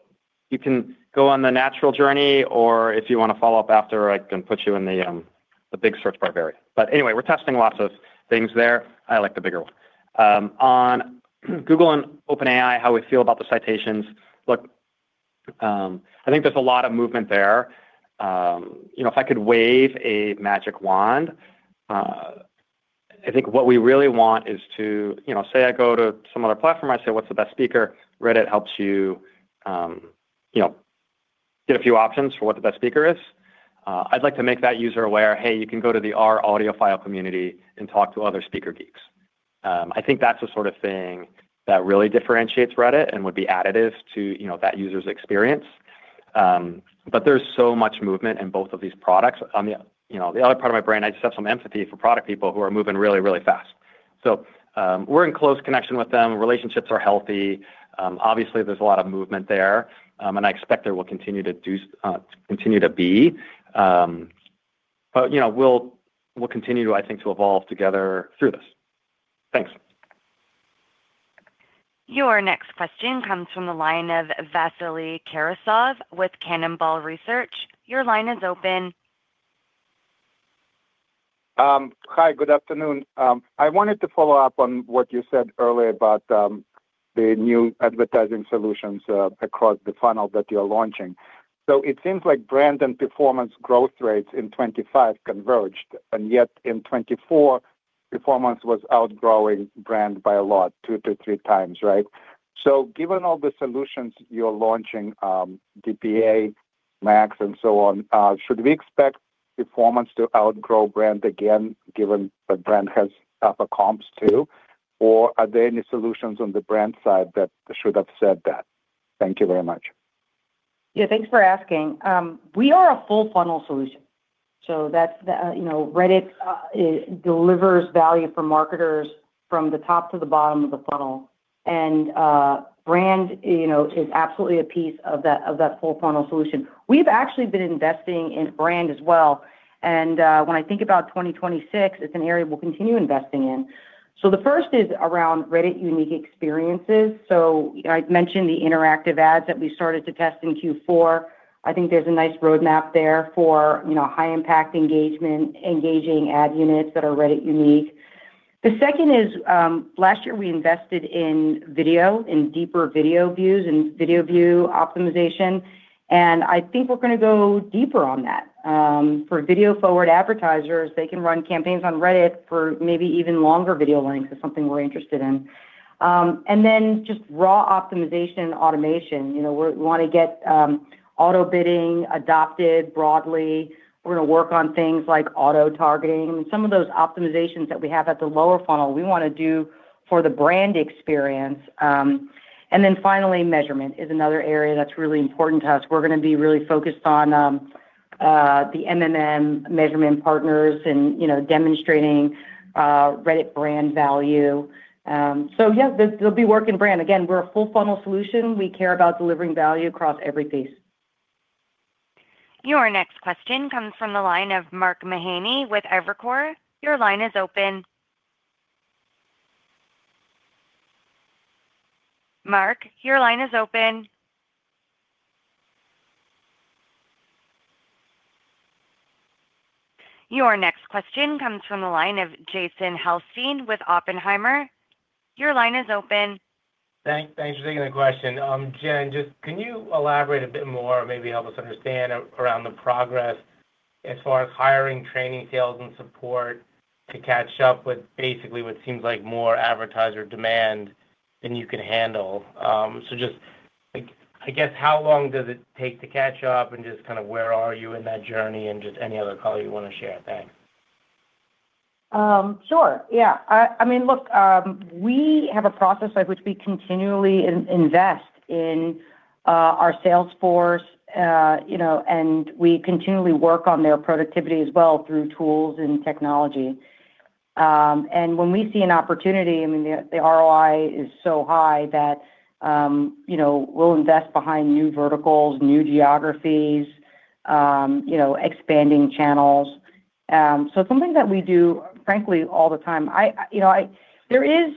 you can go on the natural journey, or if you want to follow up after, I can put you in the, the big search bar variant. But anyway, we're testing lots of things there. I like the bigger one. On Google and OpenAI, how we feel about the citations, look, I think there's a lot of movement there. You know, if I could wave a magic wand, I think what we really want is to, you know, say I go to some other platform, I say: "What's the best speaker?" Reddit helps you, you know, get a few options for what the best speaker is. I'd like to make that user aware, "Hey, you can go to the r/Audiophile community and talk to other speaker geeks." I think that's the sort of thing that really differentiates Reddit and would be additive to, you know, that user's experience. But there's so much movement in both of these products. On the, you know, the other part of my brain, I just have some empathy for product people who are moving really, really fast. So, we're in close connection with them. Relationships are healthy. Obviously, there's a lot of movement there, and I expect there will continue to be. But, you know, we'll continue to, I think, to evolve together through this. Thanks. Your next question comes from the line of Vasily Karasyov with Cannonball Research. Your line is open. Hi, good afternoon. I wanted to follow up on what you said earlier about the new advertising solutions across the funnel that you're launching. So it seems like brand and performance growth rates in 2025 converged, and yet in 2024, performance was outgrowing brand by a lot, two times-three times, right? So given all the solutions you're launching, DPA, Max, and so on, should we expect performance to outgrow brand again, given that brand has upper comps too? Or are there any solutions on the brand side that should offset that? Thank you very much. Yeah, thanks for asking. We are a full funnel solution, so that's the, you know, Reddit delivers value for marketers from the top to the bottom of the funnel. And, brand, you know, is absolutely a piece of that, of that full funnel solution. We've actually been investing in brand as well, and, when I think about 2026, it's an area we'll continue investing in. So the first is around Reddit-unique experiences. So I mentioned the interactive ads that we started to test in Q4. I think there's a nice roadmap there for, you know, high-impact engagement, engaging ad units that are Reddit unique. The second is, last year, we invested in video, in deeper video views and video view optimization, and I think we're going to go deeper on that. For video-forward advertisers, they can run campaigns on Reddit for maybe even longer video lengths is something we're interested in. And then just raw optimization and automation. You know, we want to get auto bidding adopted broadly. We're going to work on things like auto targeting. Some of those optimizations that we have at the lower funnel, we want to do for the brand experience. And then finally, measurement is another area that's really important to us. We're going to be really focused on the MMM measurement partners and, you know, demonstrating Reddit brand value. So yeah, there'll be work in brand. Again, we're a full funnel solution. We care about delivering value across every piece. Your next question comes from the line of Mark Mahaney with Evercore. Your line is open. Mark, your line is open. Your next question comes from the line of Jason Helfstein with Oppenheimer. Your line is open. Thanks for taking the question. Jen, just can you elaborate a bit more or maybe help us understand around the progress as far as hiring, training, sales, and support to catch up with basically what seems like more advertiser demand than you can handle? So just, I guess, how long does it take to catch up, and just kind of where are you in that journey, and just any other color you want to share? Thanks. Sure, yeah. I mean, look, we have a process by which we continually invest in our sales force, you know, and we continually work on their productivity as well through tools and technology. And when we see an opportunity, I mean, the ROI is so high that, you know, we'll invest behind new verticals, new geographies, you know, expanding channels. So it's something that we do, frankly, all the time. You know, there is,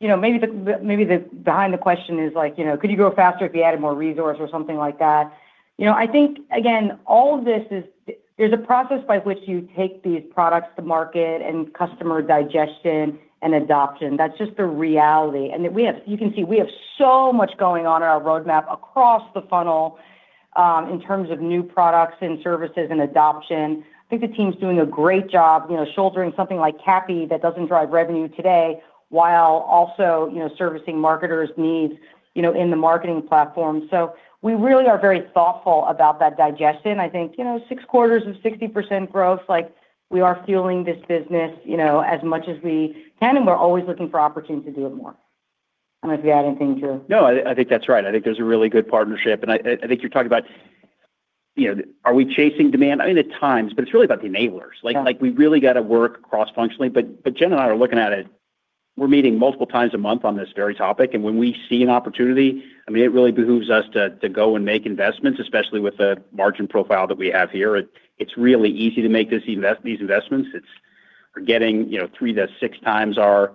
you know, maybe behind the question is, like, you know, could you grow faster if you added more resource or something like that? You know, I think, again, all of this is. There's a process by which you take these products to market and customer digestion and adoption. That's just the reality. And we have, you can see, we have so much going on in our roadmap across the funnel in terms of new products and services and adoption. I think the team's doing a great job, you know, shouldering something like CAPI that doesn't drive revenue today, while also, you know, servicing marketers' needs, you know, in the marketing platform. So we really are very thoughtful about that digestion. I think, you know, six quarters of 60% growth, like, we are fueling this business, you know, as much as we can, and we're always looking for opportunities to do it more. I don't know if you add anything to it? No, I think that's right. I think there's a really good partnership, and I think you're talking about, you know, are we chasing demand? I mean, at times, but it's really about the enablers. Yeah. Like, we've really got to work cross-functionally. But Jen and I are looking at it. We're meeting multiple times a month on this very topic, and when we see an opportunity, I mean, it really behooves us to go and make investments, especially with the margin profile that we have here. It's really easy to make these investments. We're getting, you know, three times-six times our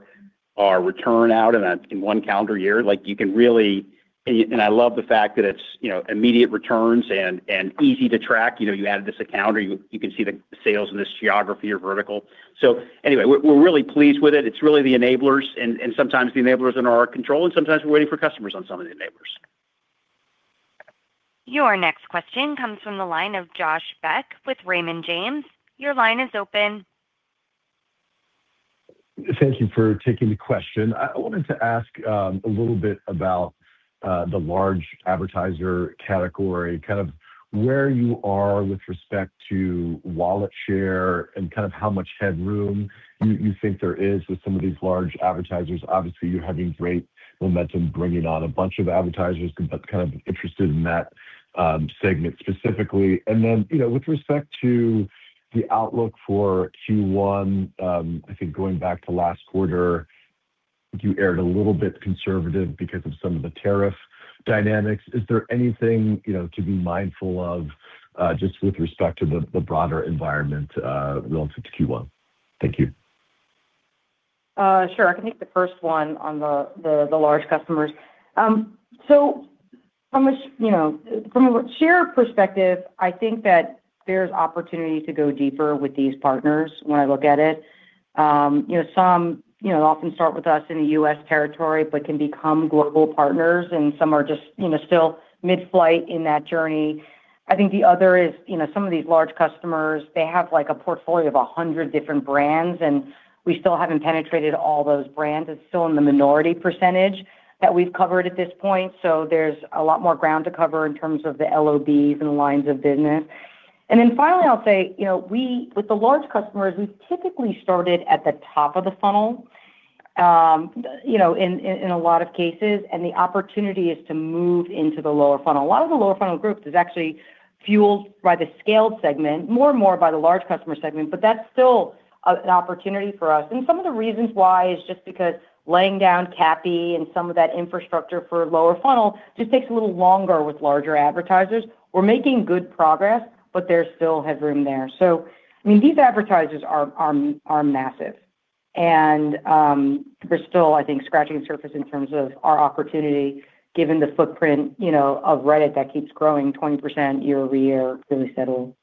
return out in one calendar year. Like, you can really... and I love the fact that it's, you know, immediate returns and easy to track. You know, you added this account, or you can see the sales in this geography or vertical. So anyway, we're really pleased with it. It's really the enablers, and sometimes the enablers are in our control, and sometimes we're waiting for customers on some of the enablers. Your next question comes from the line of Josh Beck with Raymond James. Your line is open. Thank you for taking the question. I wanted to ask, a little bit about, the large advertiser category, kind of where you are with respect to wallet share and kind of how much headroom you think there is with some of these large advertisers. Obviously, you're having great momentum bringing on a bunch of advertisers, but kind of interested in that, segment specifically. And then, you know, with respect to the outlook for Q1, I think going back to last quarter, you erred a little bit conservative because of some of the tariff dynamics. Is there anything, you know, to be mindful of, just with respect to the broader environment, relative to Q1? Thank you. Sure. I can take the first one on the large customers. So you know, from a share perspective, I think that there's opportunity to go deeper with these partners when I look at it. You know, some you know often start with us in the U.S. territory, but can become global partners, and some are just, you know, still mid-flight in that journey. I think the other is, you know, some of these large customers, they have, like, a portfolio of 100 different brands, and we still haven't penetrated all those brands. It's still in the minority percentage that we've covered at this point, so there's a lot more ground to cover in terms of the LOBs and the lines of business. And then finally, I'll say, you know, we with the large customers, we've typically started at the top of the funnel, you know, in a lot of cases, and the opportunity is to move into the lower funnel. A lot of the lower funnel groups is actually fueled by the scaled segment, more and more by the large customer segment, but that's still an opportunity for us. And some of the reasons why is just because laying down CAPI and some of that infrastructure for lower funnel just takes a little longer with larger advertisers. We're making good progress, but there still has room there. So, I mean, these advertisers are massive, and we're still, I think, scratching the surface in terms of our opportunity, given the footprint, you know, of Reddit, that keeps growing 20% year-over-year, really steadily.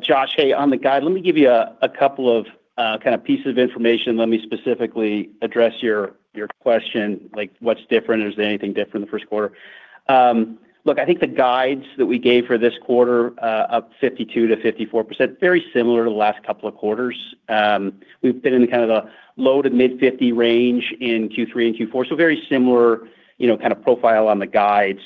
Josh, hey, on the guide, let me give you a couple of kind of pieces of information. Let me specifically address your question, like, what's different? Is there anything different in the first quarter? Look, I think the guides that we gave for this quarter, up 52%-54%, very similar to the last couple of quarters. We've been in kind of the low- to mid-50 range in Q3 and Q4, so very similar, you know, kind of profile on the guides.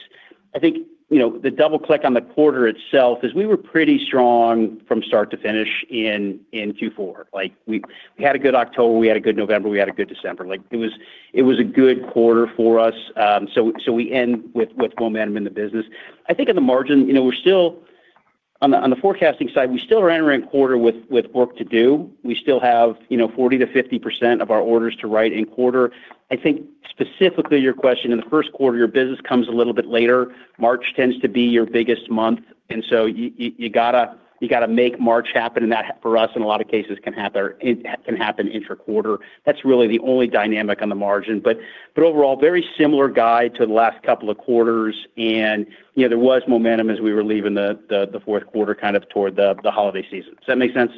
I think, you know, the double click on the quarter itself is we were pretty strong from start to finish in Q4. Like, we had a good October, we had a good November, we had a good December. Like, it was a good quarter for us, so we end with momentum in the business. I think at the margin, you know, we're still on the forecasting side, we still are entering quarter with work to do. We still have, you know, 40%-50% of our orders to write in quarter. I think specifically your question, in the first quarter, your business comes a little bit later. March tends to be your biggest month, and so you gotta make March happen, and that, for us, in a lot of cases, can happen intra-quarter. That's really the only dynamic on the margin. But overall, very similar guide to the last couple of quarters, and, you know, there was momentum as we were leaving the fourth quarter, kind of toward the holiday season. Does that make sense?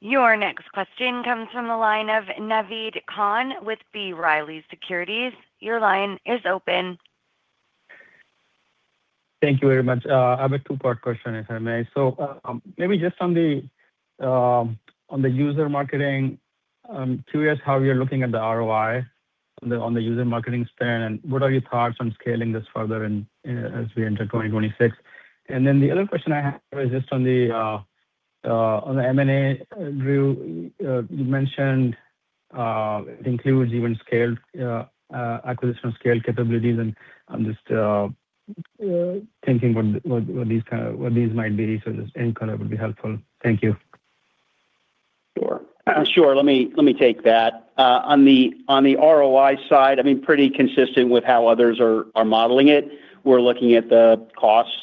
Your next question comes from the line of Naved Khan with B. Riley Securities. Your line is open. Thank you very much. I have a two-part question, if I may. So, maybe just on the, on the user marketing, I'm curious how you're looking at the ROI on the, on the user marketing spend, and what are your thoughts on scaling this further in, as we enter 2026? And then the other question I have is just on the, on the M&A view. You mentioned, it includes even scale, acquisition of scale capabilities, and I'm just, thinking what these kind of- what these might be. So just any color would be helpful. Thank you. Sure. Let me, let me take that. On the, on the ROI side, I mean, pretty consistent with how others are, are modeling it. We're looking at the costs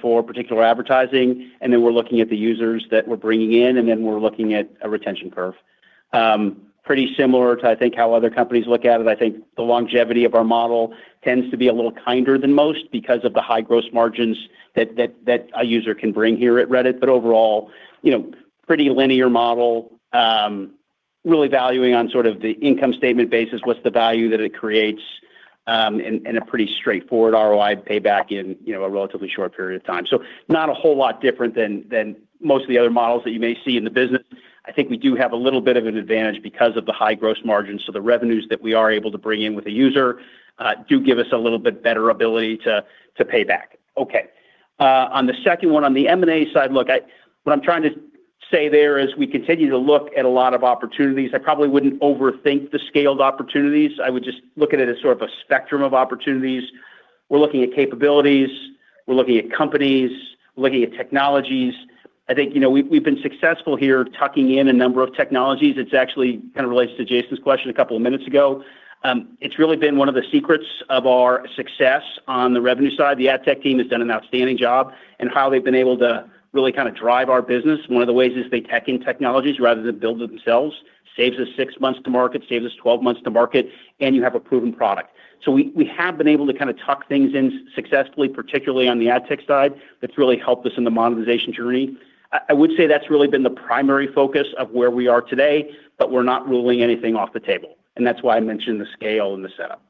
for particular advertising, and then we're looking at the users that we're bringing in, and then we're looking at a retention curve. Pretty similar to, I think, how other companies look at it. I think the longevity of our model tends to be a little kinder than most because of the high gross margins that, that, that a user can bring here at Reddit. But overall, you know, pretty linear model. Really valuing on sort of the income statement basis, what's the value that it creates, and, and a pretty straightforward ROI payback in, you know, a relatively short period of time. So not a whole lot different than, than most of the other models that you may see in the business. I think we do have a little bit of an advantage because of the high gross margins, so the revenues that we are able to bring in with a user do give us a little bit better ability to pay back. Okay. On the second one, on the M&A side, look, I, what I'm trying to say there is we continue to look at a lot of opportunities. I probably wouldn't overthink the scaled opportunities. I would just look at it as sort of a spectrum of opportunities. We're looking at capabilities, we're looking at companies, we're looking at technologies. I think, you know, we've been successful here tucking in a number of technologies. It's actually kind of relates to Jason's question a couple of minutes ago. It's really been one of the secrets of our success on the revenue side. The ad tech team has done an outstanding job in how they've been able to really kind of drive our business. One of the ways is they tech in technologies rather than build it themselves. Saves us six months to market, saves us 12 months to market, and you have a proven product. So we, we have been able to kind of tuck things in successfully, particularly on the ad tech side. That's really helped us in the monetization journey. I would say that's really been the primary focus of where we are today, but we're not ruling anything off the table, and that's why I mentioned the scale and the setup.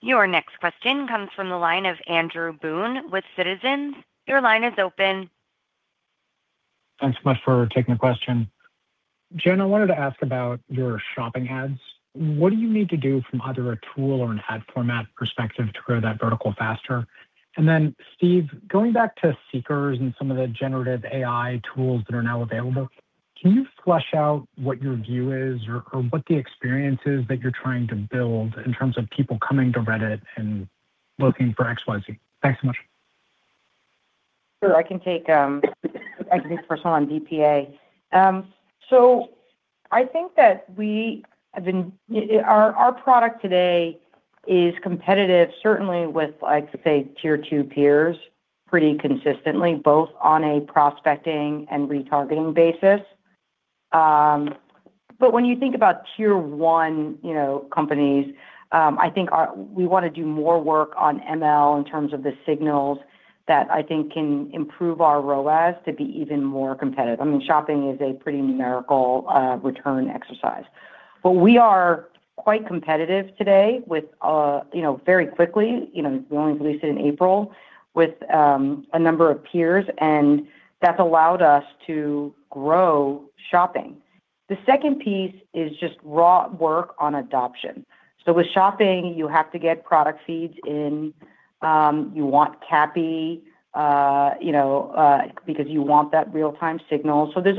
Your next question comes from the line of Andrew Boone with Citizens. Your line is open. Thanks so much for taking the question. Jen, I wanted to ask about your shopping ads. What do you need to do from either a tool or an ad format perspective to grow that vertical faster? And then, Steve, going back to Seekers and some of the generative AI tools that are now available, can you flesh out what your view is or what the experience is that you're trying to build in terms of people coming to Reddit and looking for XYZ? Thanks so much. Sure. I can take the first one on DPA. So I think that our product today is competitive, certainly with, like, say, tier two peers, pretty consistently, both on a prospecting and retargeting basis. But when you think about tier one, you know, companies, I think we want to do more work on ML in terms of the signals that I think can improve our ROAS to be even more competitive. I mean, shopping is a pretty numerical return exercise. But we are quite competitive today with, you know, very quickly, you know, we only released it in April, with a number of peers, and that's allowed us to grow shopping. The second piece is just raw work on adoption. So with shopping, you have to get product feeds in, you want CAPI, you know, because you want that real-time signal. So there's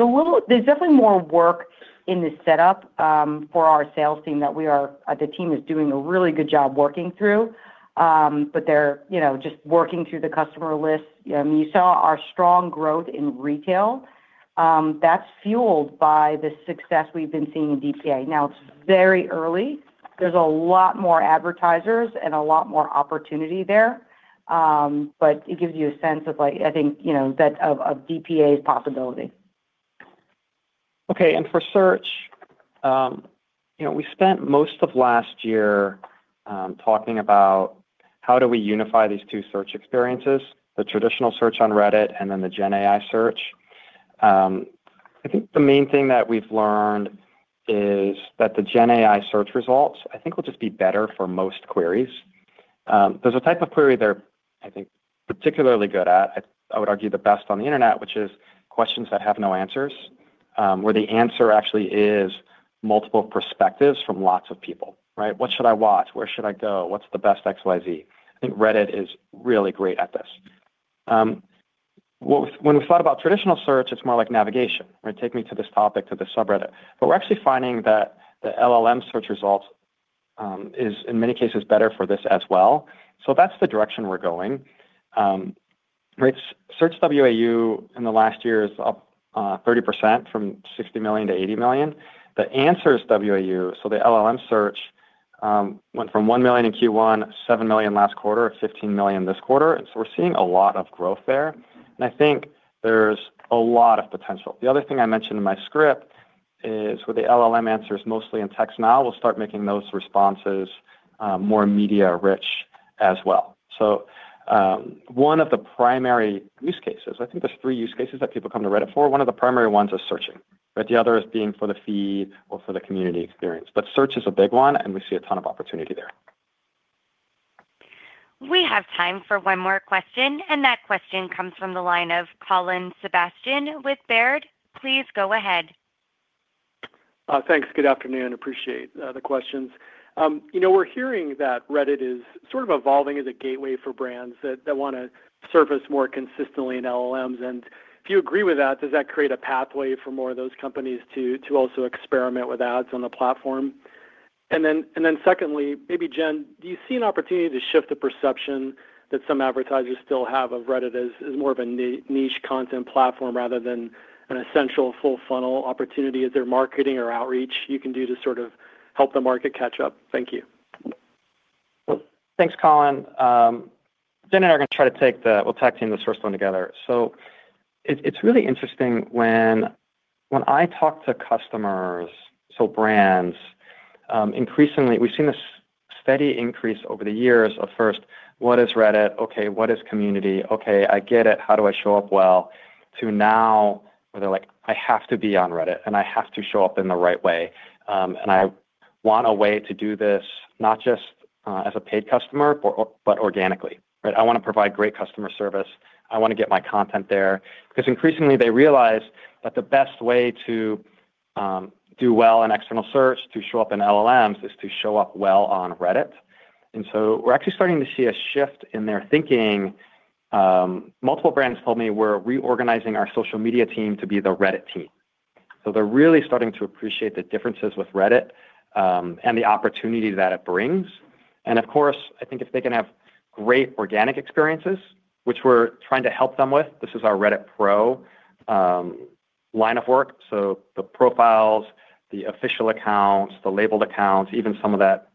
definitely more work in the setup, for our sales team that we are-- the team is doing a really good job working through, but they're, you know, just working through the customer list. You saw our strong growth in retail, that's fueled by the success we've been seeing in DPA. Now, it's very early. There's a lot more advertisers and a lot more opportunity there, but it gives you a sense of like, I think, you know, that of DPA's possibility. Okay, and for search, you know, we spent most of last year, talking about how do we unify these two search experiences, the traditional search on Reddit and then the Gen AI search. I think the main thing that we've learned is that the Gen AI search results, I think, will just be better for most queries. There's a type of query they're, I think, particularly good at, I would argue, the best on the internet, which is questions that have no answers, where the answer actually is multiple perspectives from lots of people, right? What should I watch? Where should I go? What's the best XYZ? I think Reddit is really great at this. Well, when we thought about traditional search, it's more like navigation, right? Take me to this topic, to this subreddit. But we're actually finding that the LLM search results, is, in many cases, better for this as well. So that's the direction we're going. Search WAU in the last year is up, 30% from 60 million to 80 million. The answers WAU, so the LLM search, went from 1 million in Q1, 7 million last quarter, 15 million this quarter. So we're seeing a lot of growth there, and I think there's a lot of potential. The other thing I mentioned in my script is with the LLM answers, mostly in text now, we'll start making those responses, more media-rich as well. So, one of the primary use cases, I think there's three use cases that people come to Reddit for. One of the primary ones is searching, but the other is being for the feed or for the community experience. But search is a big one, and we see a ton of opportunity there. We have time for one more question, and that question comes from the line of Colin Sebastian with Baird. Please go ahead. Thanks. Good afternoon. Appreciate the questions. You know, we're hearing that Reddit is sort of evolving as a gateway for brands that want to surface more consistently in LLMs. And if you agree with that, does that create a pathway for more of those companies to also experiment with ads on the platform? And then secondly, maybe Jen, do you see an opportunity to shift the perception that some advertisers still have of Reddit as more of a niche content platform rather than an essential full funnel opportunity? Is there marketing or outreach you can do to sort of help the market catch up? Thank you. Well, thanks, Colin. Jen and I are going to try to We'll tag team this first one together. So it, it's really interesting when, when I talk to customers, so brands, increasingly, we've seen a steady increase over the years of first, "What is Reddit? Okay, what is community? Okay, I get it. How do I show up well?" To now, where they're like: I have to be on Reddit, and I have to show up in the right way, and I want a way to do this, not just as a paid customer, but organically, right? I want to provide great customer service. I want to get my content there. Because increasingly they realize that the best way to do well in external search, to show up in LLMs, is to show up well on Reddit. We're actually starting to see a shift in their thinking. Multiple brands told me we're reorganizing our social media team to be the Reddit team. They're really starting to appreciate the differences with Reddit, and the opportunity that it brings. Of course, I think if they can have great organic experiences, which we're trying to help them with, this is our Reddit Pro line of work. The profiles, the official accounts, the labeled accounts, even some of that,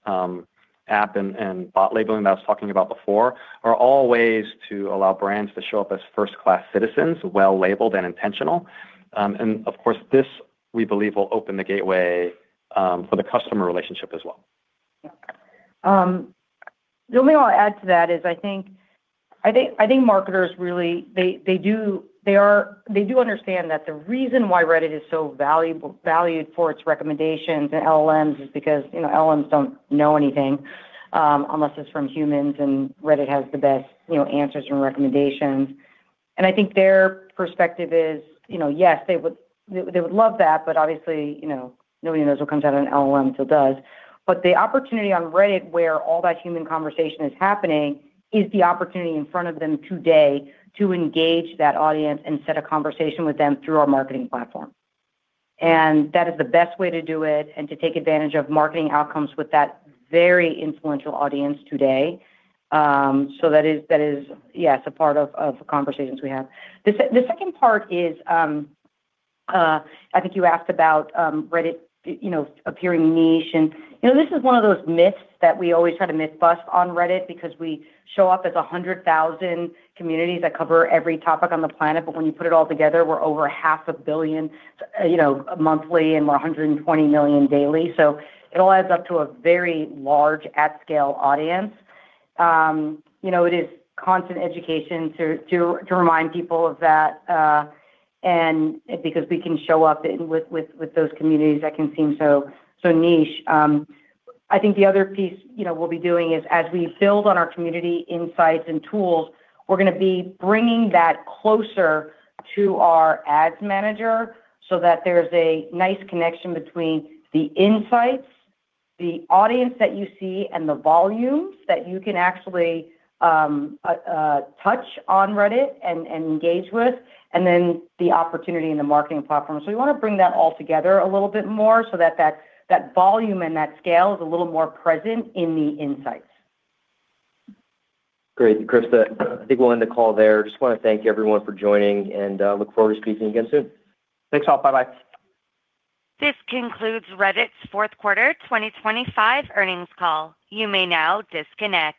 app and bot labeling that I was talking about before, are all ways to allow brands to show up as first-class citizens, well labeled and intentional. Of course, this, we believe, will open the gateway for the customer relationship as well. The only thing I'll add to that is I think marketers really, they do understand that the reason why Reddit is so valuable for its recommendations and LLMs is because, you know, LLMs don't know anything, unless it's from humans, and Reddit has the best, you know, answers and recommendations. And I think their perspective is, you know, yes, they would love that, but obviously, you know, nobody knows what comes out of an LLM until it does. But the opportunity on Reddit, where all that human conversation is happening, is the opportunity in front of them today to engage that audience and set a conversation with them through our marketing platform. And that is the best way to do it and to take advantage of marketing outcomes with that very influential audience today. So that is, yes, a part of the conversations we have. The second part is, I think you asked about, Reddit, you know, appearing niche. And, you know, this is one of those myths that we always try to myth bust on Reddit because we show up as 100,000 communities that cover every topic on the planet, but when you put it all together, we're over half a billion, you know, monthly, and we're 120 million daily. So it all adds up to a very large at-scale audience. You know, it is constant education to remind people of that, and because we can show up in with those communities that can seem so niche. I think the other piece, you know, we'll be doing is as we build on our community insights and tools, we're going to be bringing that closer to our ads manager so that there's a nice connection between the insights, the audience that you see, and the volumes that you can actually touch on Reddit and engage with, and then the opportunity in the marketing platform. So we want to bring that all together a little bit more so that that volume and that scale is a little more present in the insights. Great. Krista, I think we'll end the call there. Just want to thank everyone for joining, and look forward to speaking again soon. Thanks all. Bye-bye. This concludes Reddit's fourth quarter 2025 earnings call. You may now disconnect.